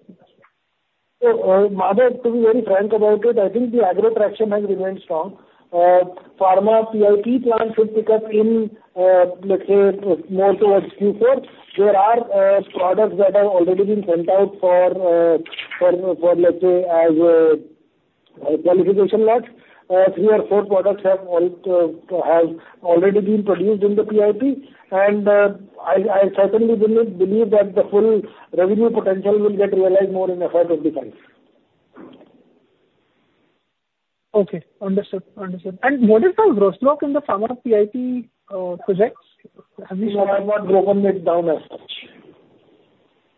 So, Madhav, to be very frank about it, I think the agro traction has remained strong. Pharma MPP plan should pick up in, let's say, more towards Q4. There are products that have already been sent out for, for, let's say, as qualification lots. Three or four products have all have already been produced in theMPP, and I certainly believe that the full revenue potential will get realized more in the second half. Okay, understood. Understood. And what is the gross block in the pharma MPP projects? Have you seen- No, I've not broken it down as such.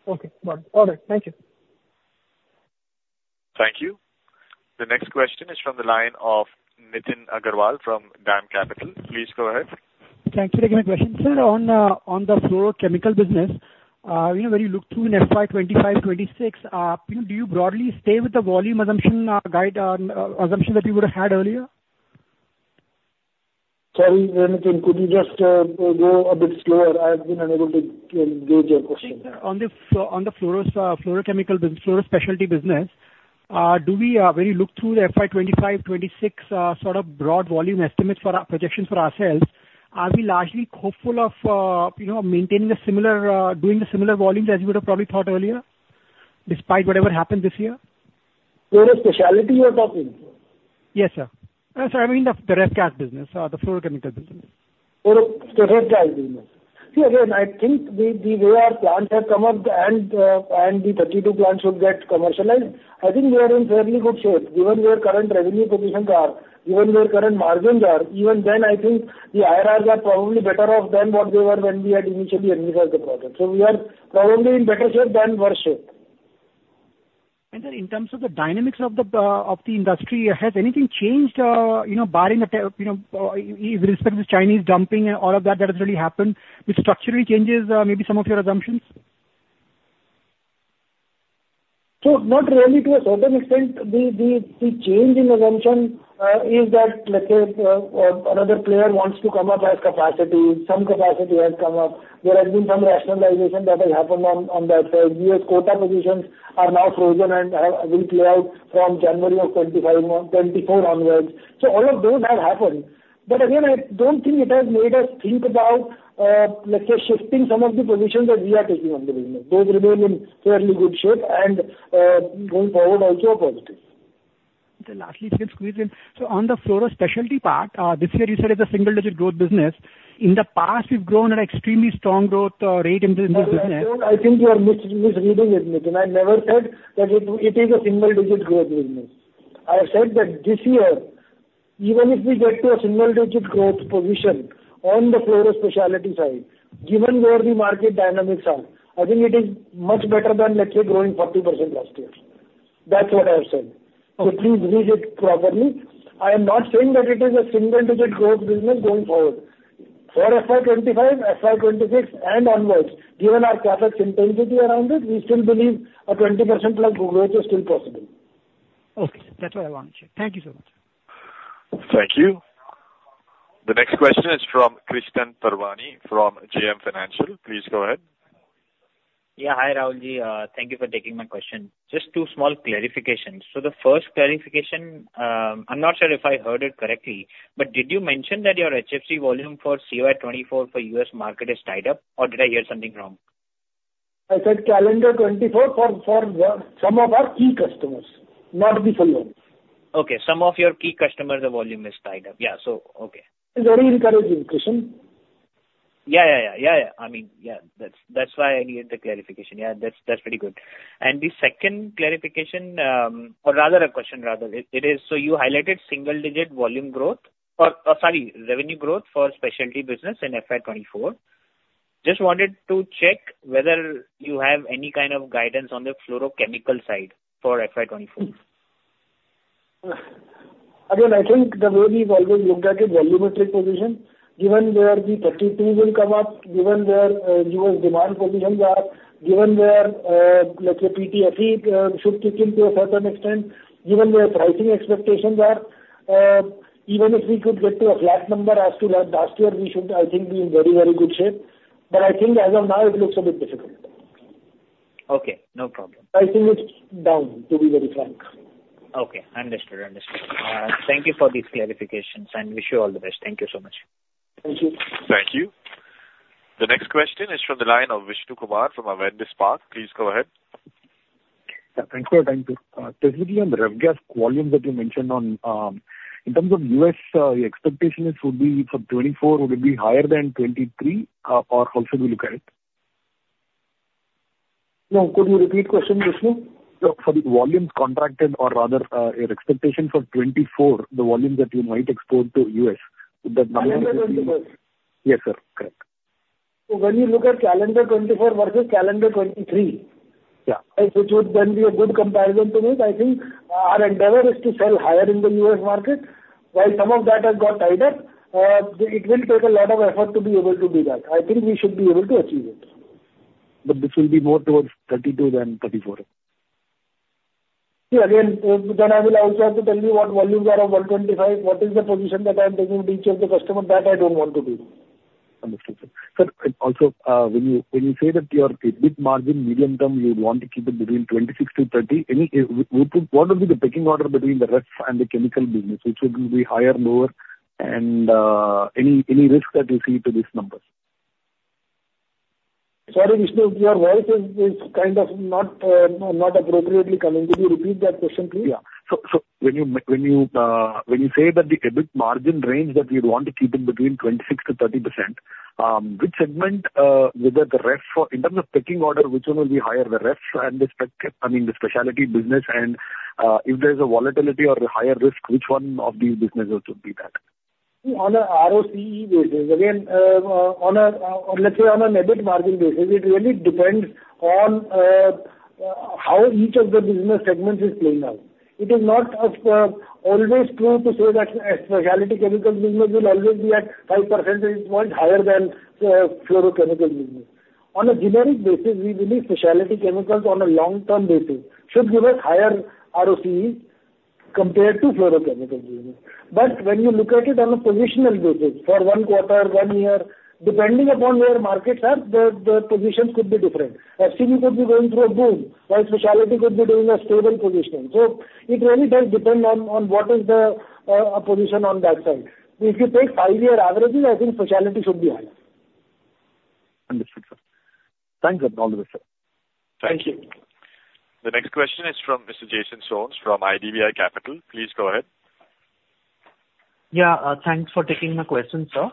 Okay, got it. All right. Thank you. Thank you. The next question is from the line of Nitin Agarwal from DAM Capital. Please go ahead. Thank you again for the question. Sir, on the fluorochemical business, you know, when you look through in FY 25, 26, you know, do you broadly stay with the volume assumption, guide, assumption that you would have had earlier? Sorry, Nitin, could you just go a bit slower? I have been unable to engage your question. Sure, sir. On the fluoro fluorochemical business, fluoro specialty business, do we, when you look through the FY 25, 26, sort of broad volume estimates for our projections for ourselves, are we largely hopeful of, you know, maintaining a similar, doing the similar volumes as you would have probably thought earlier, despite whatever happened this year? Fluoro specialty you are talking? Yes, sir. Sorry, I mean, the Ref Gas business or the fluorochemical business. Oh, the Ref Gas business. See, again, I think the way our plants have come up and the 32 plants should get commercialized, I think we are in fairly good shape. Given where current revenue positions are, given where current margins are, even then, I think the IRRs are probably better off than what they were when we had initially envisaged the project. So we are probably in better shape than worse shape. Sir, in terms of the dynamics of the industry, has anything changed, you know, barring the, you know, with respect to the Chinese dumping and all of that, that has really happened, which structurally changes, maybe some of your assumptions? So not really to a certain extent. The change in assumption is that, let's say, another player wants to come up as capacity, some capacity has come up. There has been some rationalization that has happened on that side. U.S. quota positions are now frozen and will play out from January of 2025, 2024 onwards. So all of those have happened. But again, I don't think it has made us think about, let's say, shifting some of the positions that we are taking on the business. Those remain in fairly good shape and, going forward also are positive. Lastly, just squeeze in. On the fluoro specialty part, this year you said it's a single-digit growth business. In the past, you've grown at extremely strong growth rate in this business. I think you are misreading it, Nitin. I never said that it, it is a single digit growth business. I have said that this year, even if we get to a single digit growth position on the fluoro specialty side, given where the market dynamics are, I think it is much better than let's say growing 40% last year. That's what I have said. Okay. Please read it properly. I am not saying that it is a single digit growth business going forward. For FY 2025, FY 2026 and onwards, given our capital intensity around it, we still believe a 20%+ growth is still possible. Okay, that's what I wanted to hear. Thank you so much. Thank you. The next question is from Krishan Parwani from JM Financial. Please go ahead. Yeah. Hi, Rahul Jain. Thank you for taking my question. Just two small clarifications. So the first clarification, I'm not sure if I heard it correctly, but did you mention that your HFC volume for CY 2024 for U.S. market is tied up, or did I hear something wrong? I said calendar 2024 for some of our key customers, not the full load. Okay, some of your key customers, the volume is tied up. Yeah, so, okay. It's very encouraging, Krishan. Yeah, yeah, yeah. Yeah, yeah. I mean, yeah, that's, that's why I needed the clarification. Yeah, that's, that's pretty good. And the second clarification, or rather a question rather, it is, so you highlighted single-digit volume growth, or sorry, revenue growth for specialty business in FY 2024. Just wanted to check whether you have any kind of guidance on the fluorochemical side for FY 2024. Again, I think the way we've always looked at it, volumetric position, given where the 32 will come up, given where U.S. demand positions are, given where, let's say, PTFE should kick in to a certain extent, given where pricing expectations are, even if we could get to a flat number as to last year, we should, I think, be in very, very good shape. But I think as of now, it looks a bit difficult. Okay, no problem. Pricing is down, to be very frank. Okay, understood. Understood. Thank you for these clarifications, and wish you all the best. Thank you so much. Thank you. Thank you. The next question is from the line of Vishnu Kumar from Avendus Spark. Please go ahead. Yeah, thanks for your time, sir. Specifically on the ref gas volumes that you mentioned on, in terms of US, your expectation is, would be for 2024, would it be higher than 2023, or how should we look at it? No, could you repeat question, Vishnu? Sure. For the volumes contracted or rather, your expectation for 2024, the volume that you might export to U.S., would that volume be- Calendar twenty-four? Yes, sir. Correct. When you look at calendar 2024 versus calendar 2023- Yeah. Which would then be a good comparison to this, I think, our endeavor is to sell higher in the U.S. market. While some of that has got tied up, it will take a lot of effort to be able to do that. I think we should be able to achieve it. This will be more towards 32 than 34? See, again, then I will also have to tell you what volumes are of world 25, what is the position that I'm taking with each of the customer, that I don't want to do. Understood, sir. Sir, and also, when you say that your EBIT margin medium term, you would want to keep it between 26%-30%, any, what would be the pecking order between the ref and the chemical business? Which would be higher, lower, and, any risk that you see to these numbers? Sorry, Vishnu, your voice is kind of not appropriately coming. Could you repeat that question, please? Yeah. So when you say that the EBIT margin range that you'd want to keep it between 26%-30%, which segment, whether the ref or in terms of pecking order, which one will be higher, the refs and the spec—I mean, the specialty business, and if there's a volatility or a higher risk, which one of these businesses would be that? On a ROCE basis, again, on a, let's say on an EBIT margin basis, it really depends on, how each of the business segments is playing out. It is not, always true to say that a specialty chemicals business will always be at 5 percentage points higher than, fluorochemicals business. On a generic basis, we believe specialty chemicals on a long-term basis should give us higher ROCE compared to fluorochemical business. But when you look at it on a positional basis for one quarter, one year, depending upon where markets are, the positions could be different. FCB could be going through a boom, while specialty could be doing a stable position. So it really does depend on, on what is the, position on that side. If you take five-year averages, I think specialty should be higher. Understood, sir. Thanks for all this, sir. Thank you. The next question is from Mr. Jason Soans from IDBI Capital. Please go ahead. Yeah, thanks for taking my question, sir.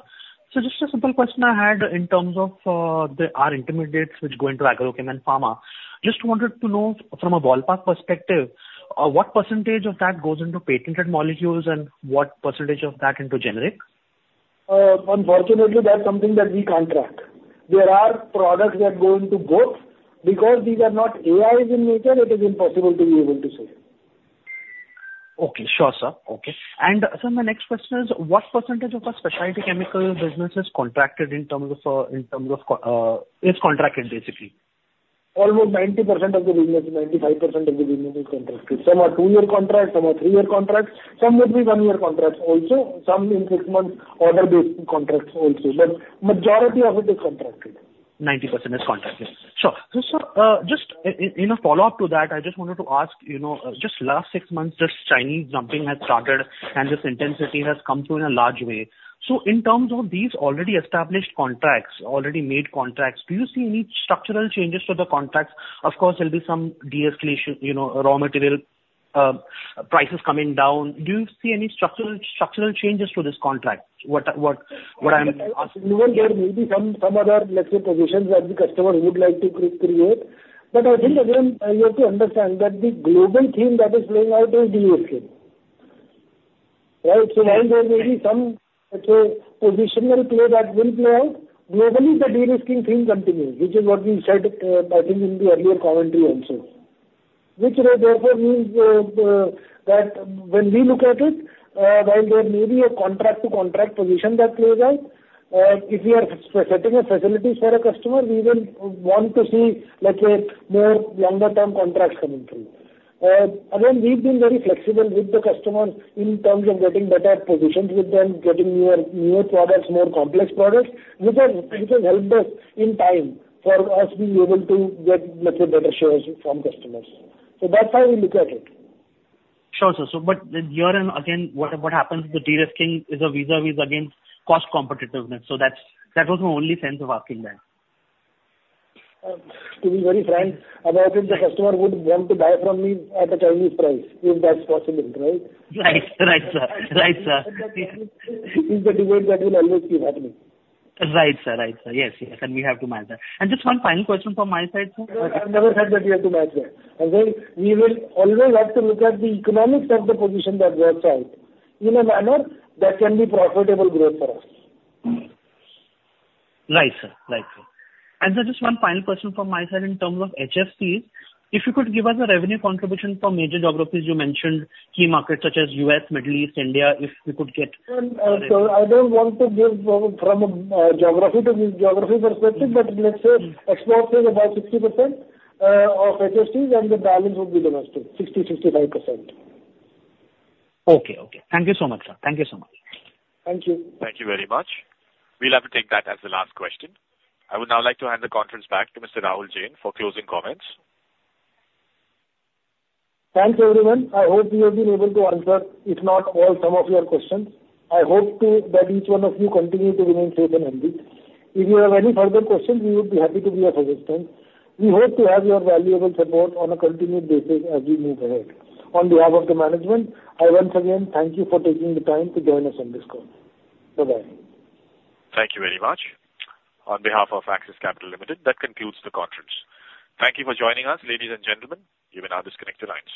So just a simple question I had in terms of our intermediates which go into agrochem and pharma. Just wanted to know from a ballpark perspective, what percentage of that goes into patented molecules and what percentage of that into generic? Unfortunately, that's something that we can't track. There are products that go into both. Because these are not AIs in nature, it is impossible to be able to say. Okay. Sure, sir. Okay. And sir, my next question is: What percentage of our specialty chemical business is contracted in terms of, in terms of contracted, basically? Almost 90% of the business, 95% of the business is contracted. Some are 2-year contracts, some are 3-year contracts, some would be 1-year contracts also, some in 6 months order-based contracts also, but majority of it is contracted. 90% is contracted. Sure. So, sir, just in a follow-up to that, I just wanted to ask, you know, just last six months, this Chinese dumping has started and this intensity has come through in a large way. So in terms of these already established contracts, already made contracts, do you see any structural changes to the contracts? Of course, there'll be some de-escalation, you know, raw material prices coming down. Do you see any structural, structural changes to this contract? What I, what, what I'm asking- There may be some other, let's say, positions that the customer would like to create. But I think again, you have to understand that the global theme that is playing out is de-risking. Right? So while there may be some, let's say, positional play that will play out, globally, the de-risking theme continues, which is what we said, I think in the earlier commentary also. Which therefore means, that when we look at it, while there may be a contract-to-contract position that plays out, if we are setting a facility for a customer, we will want to see, let's say, more longer term contracts coming through. Again, we've been very flexible with the customers in terms of getting better positions with them, getting newer, newer products, more complex products, which have helped us in time for us being able to get, let's say, better shares from customers. So that's how we look at it. Sure, sir. So but then here and again, what happens with the de-risking is vis-à-vis against cost competitiveness, so that's, that was my only sense of asking that. To be very frank, I think the customer would want to buy from me at a Chinese price, if that's possible, right? Right. Right, sir. Right, sir. Is the debate that will always keep happening? Right, sir. Right, sir. Yes, yes, and we have to match that. And just one final question from my side, sir. I've never said that we have to match that. Again, we will always have to look at the economics of the position that we are selling in a manner that can be profitable growth for us. Right, sir. Right, sir. Then just one final question from my side in terms of HFCs. If you could give us a revenue contribution from major geographies, you mentioned key markets such as US, Middle East, India, if we could get- So I don't want to give from geography to geography perspective, but let's say exports is about 60% of HFCs, and the balance would be domestic 60%-65%. Okay. Okay. Thank you so much, sir. Thank you so much. Thank you. Thank you very much. We'll have to take that as the last question. I would now like to hand the conference back to Mr. Rahul Jain for closing comments. Thanks, everyone. I hope we have been able to answer, if not all, some of your questions. I hope, too, that each one of you continue to remain safe and healthy. If you have any further questions, we would be happy to be of assistance. We hope to have your valuable support on a continued basis as we move ahead. On behalf of the management, I once again thank you for taking the time to join us on this call. Bye-bye. Thank you very much. On behalf of Axis Capital Limited, that concludes the conference. Thank you for joining us, ladies and gentlemen. You may now disconnect your lines.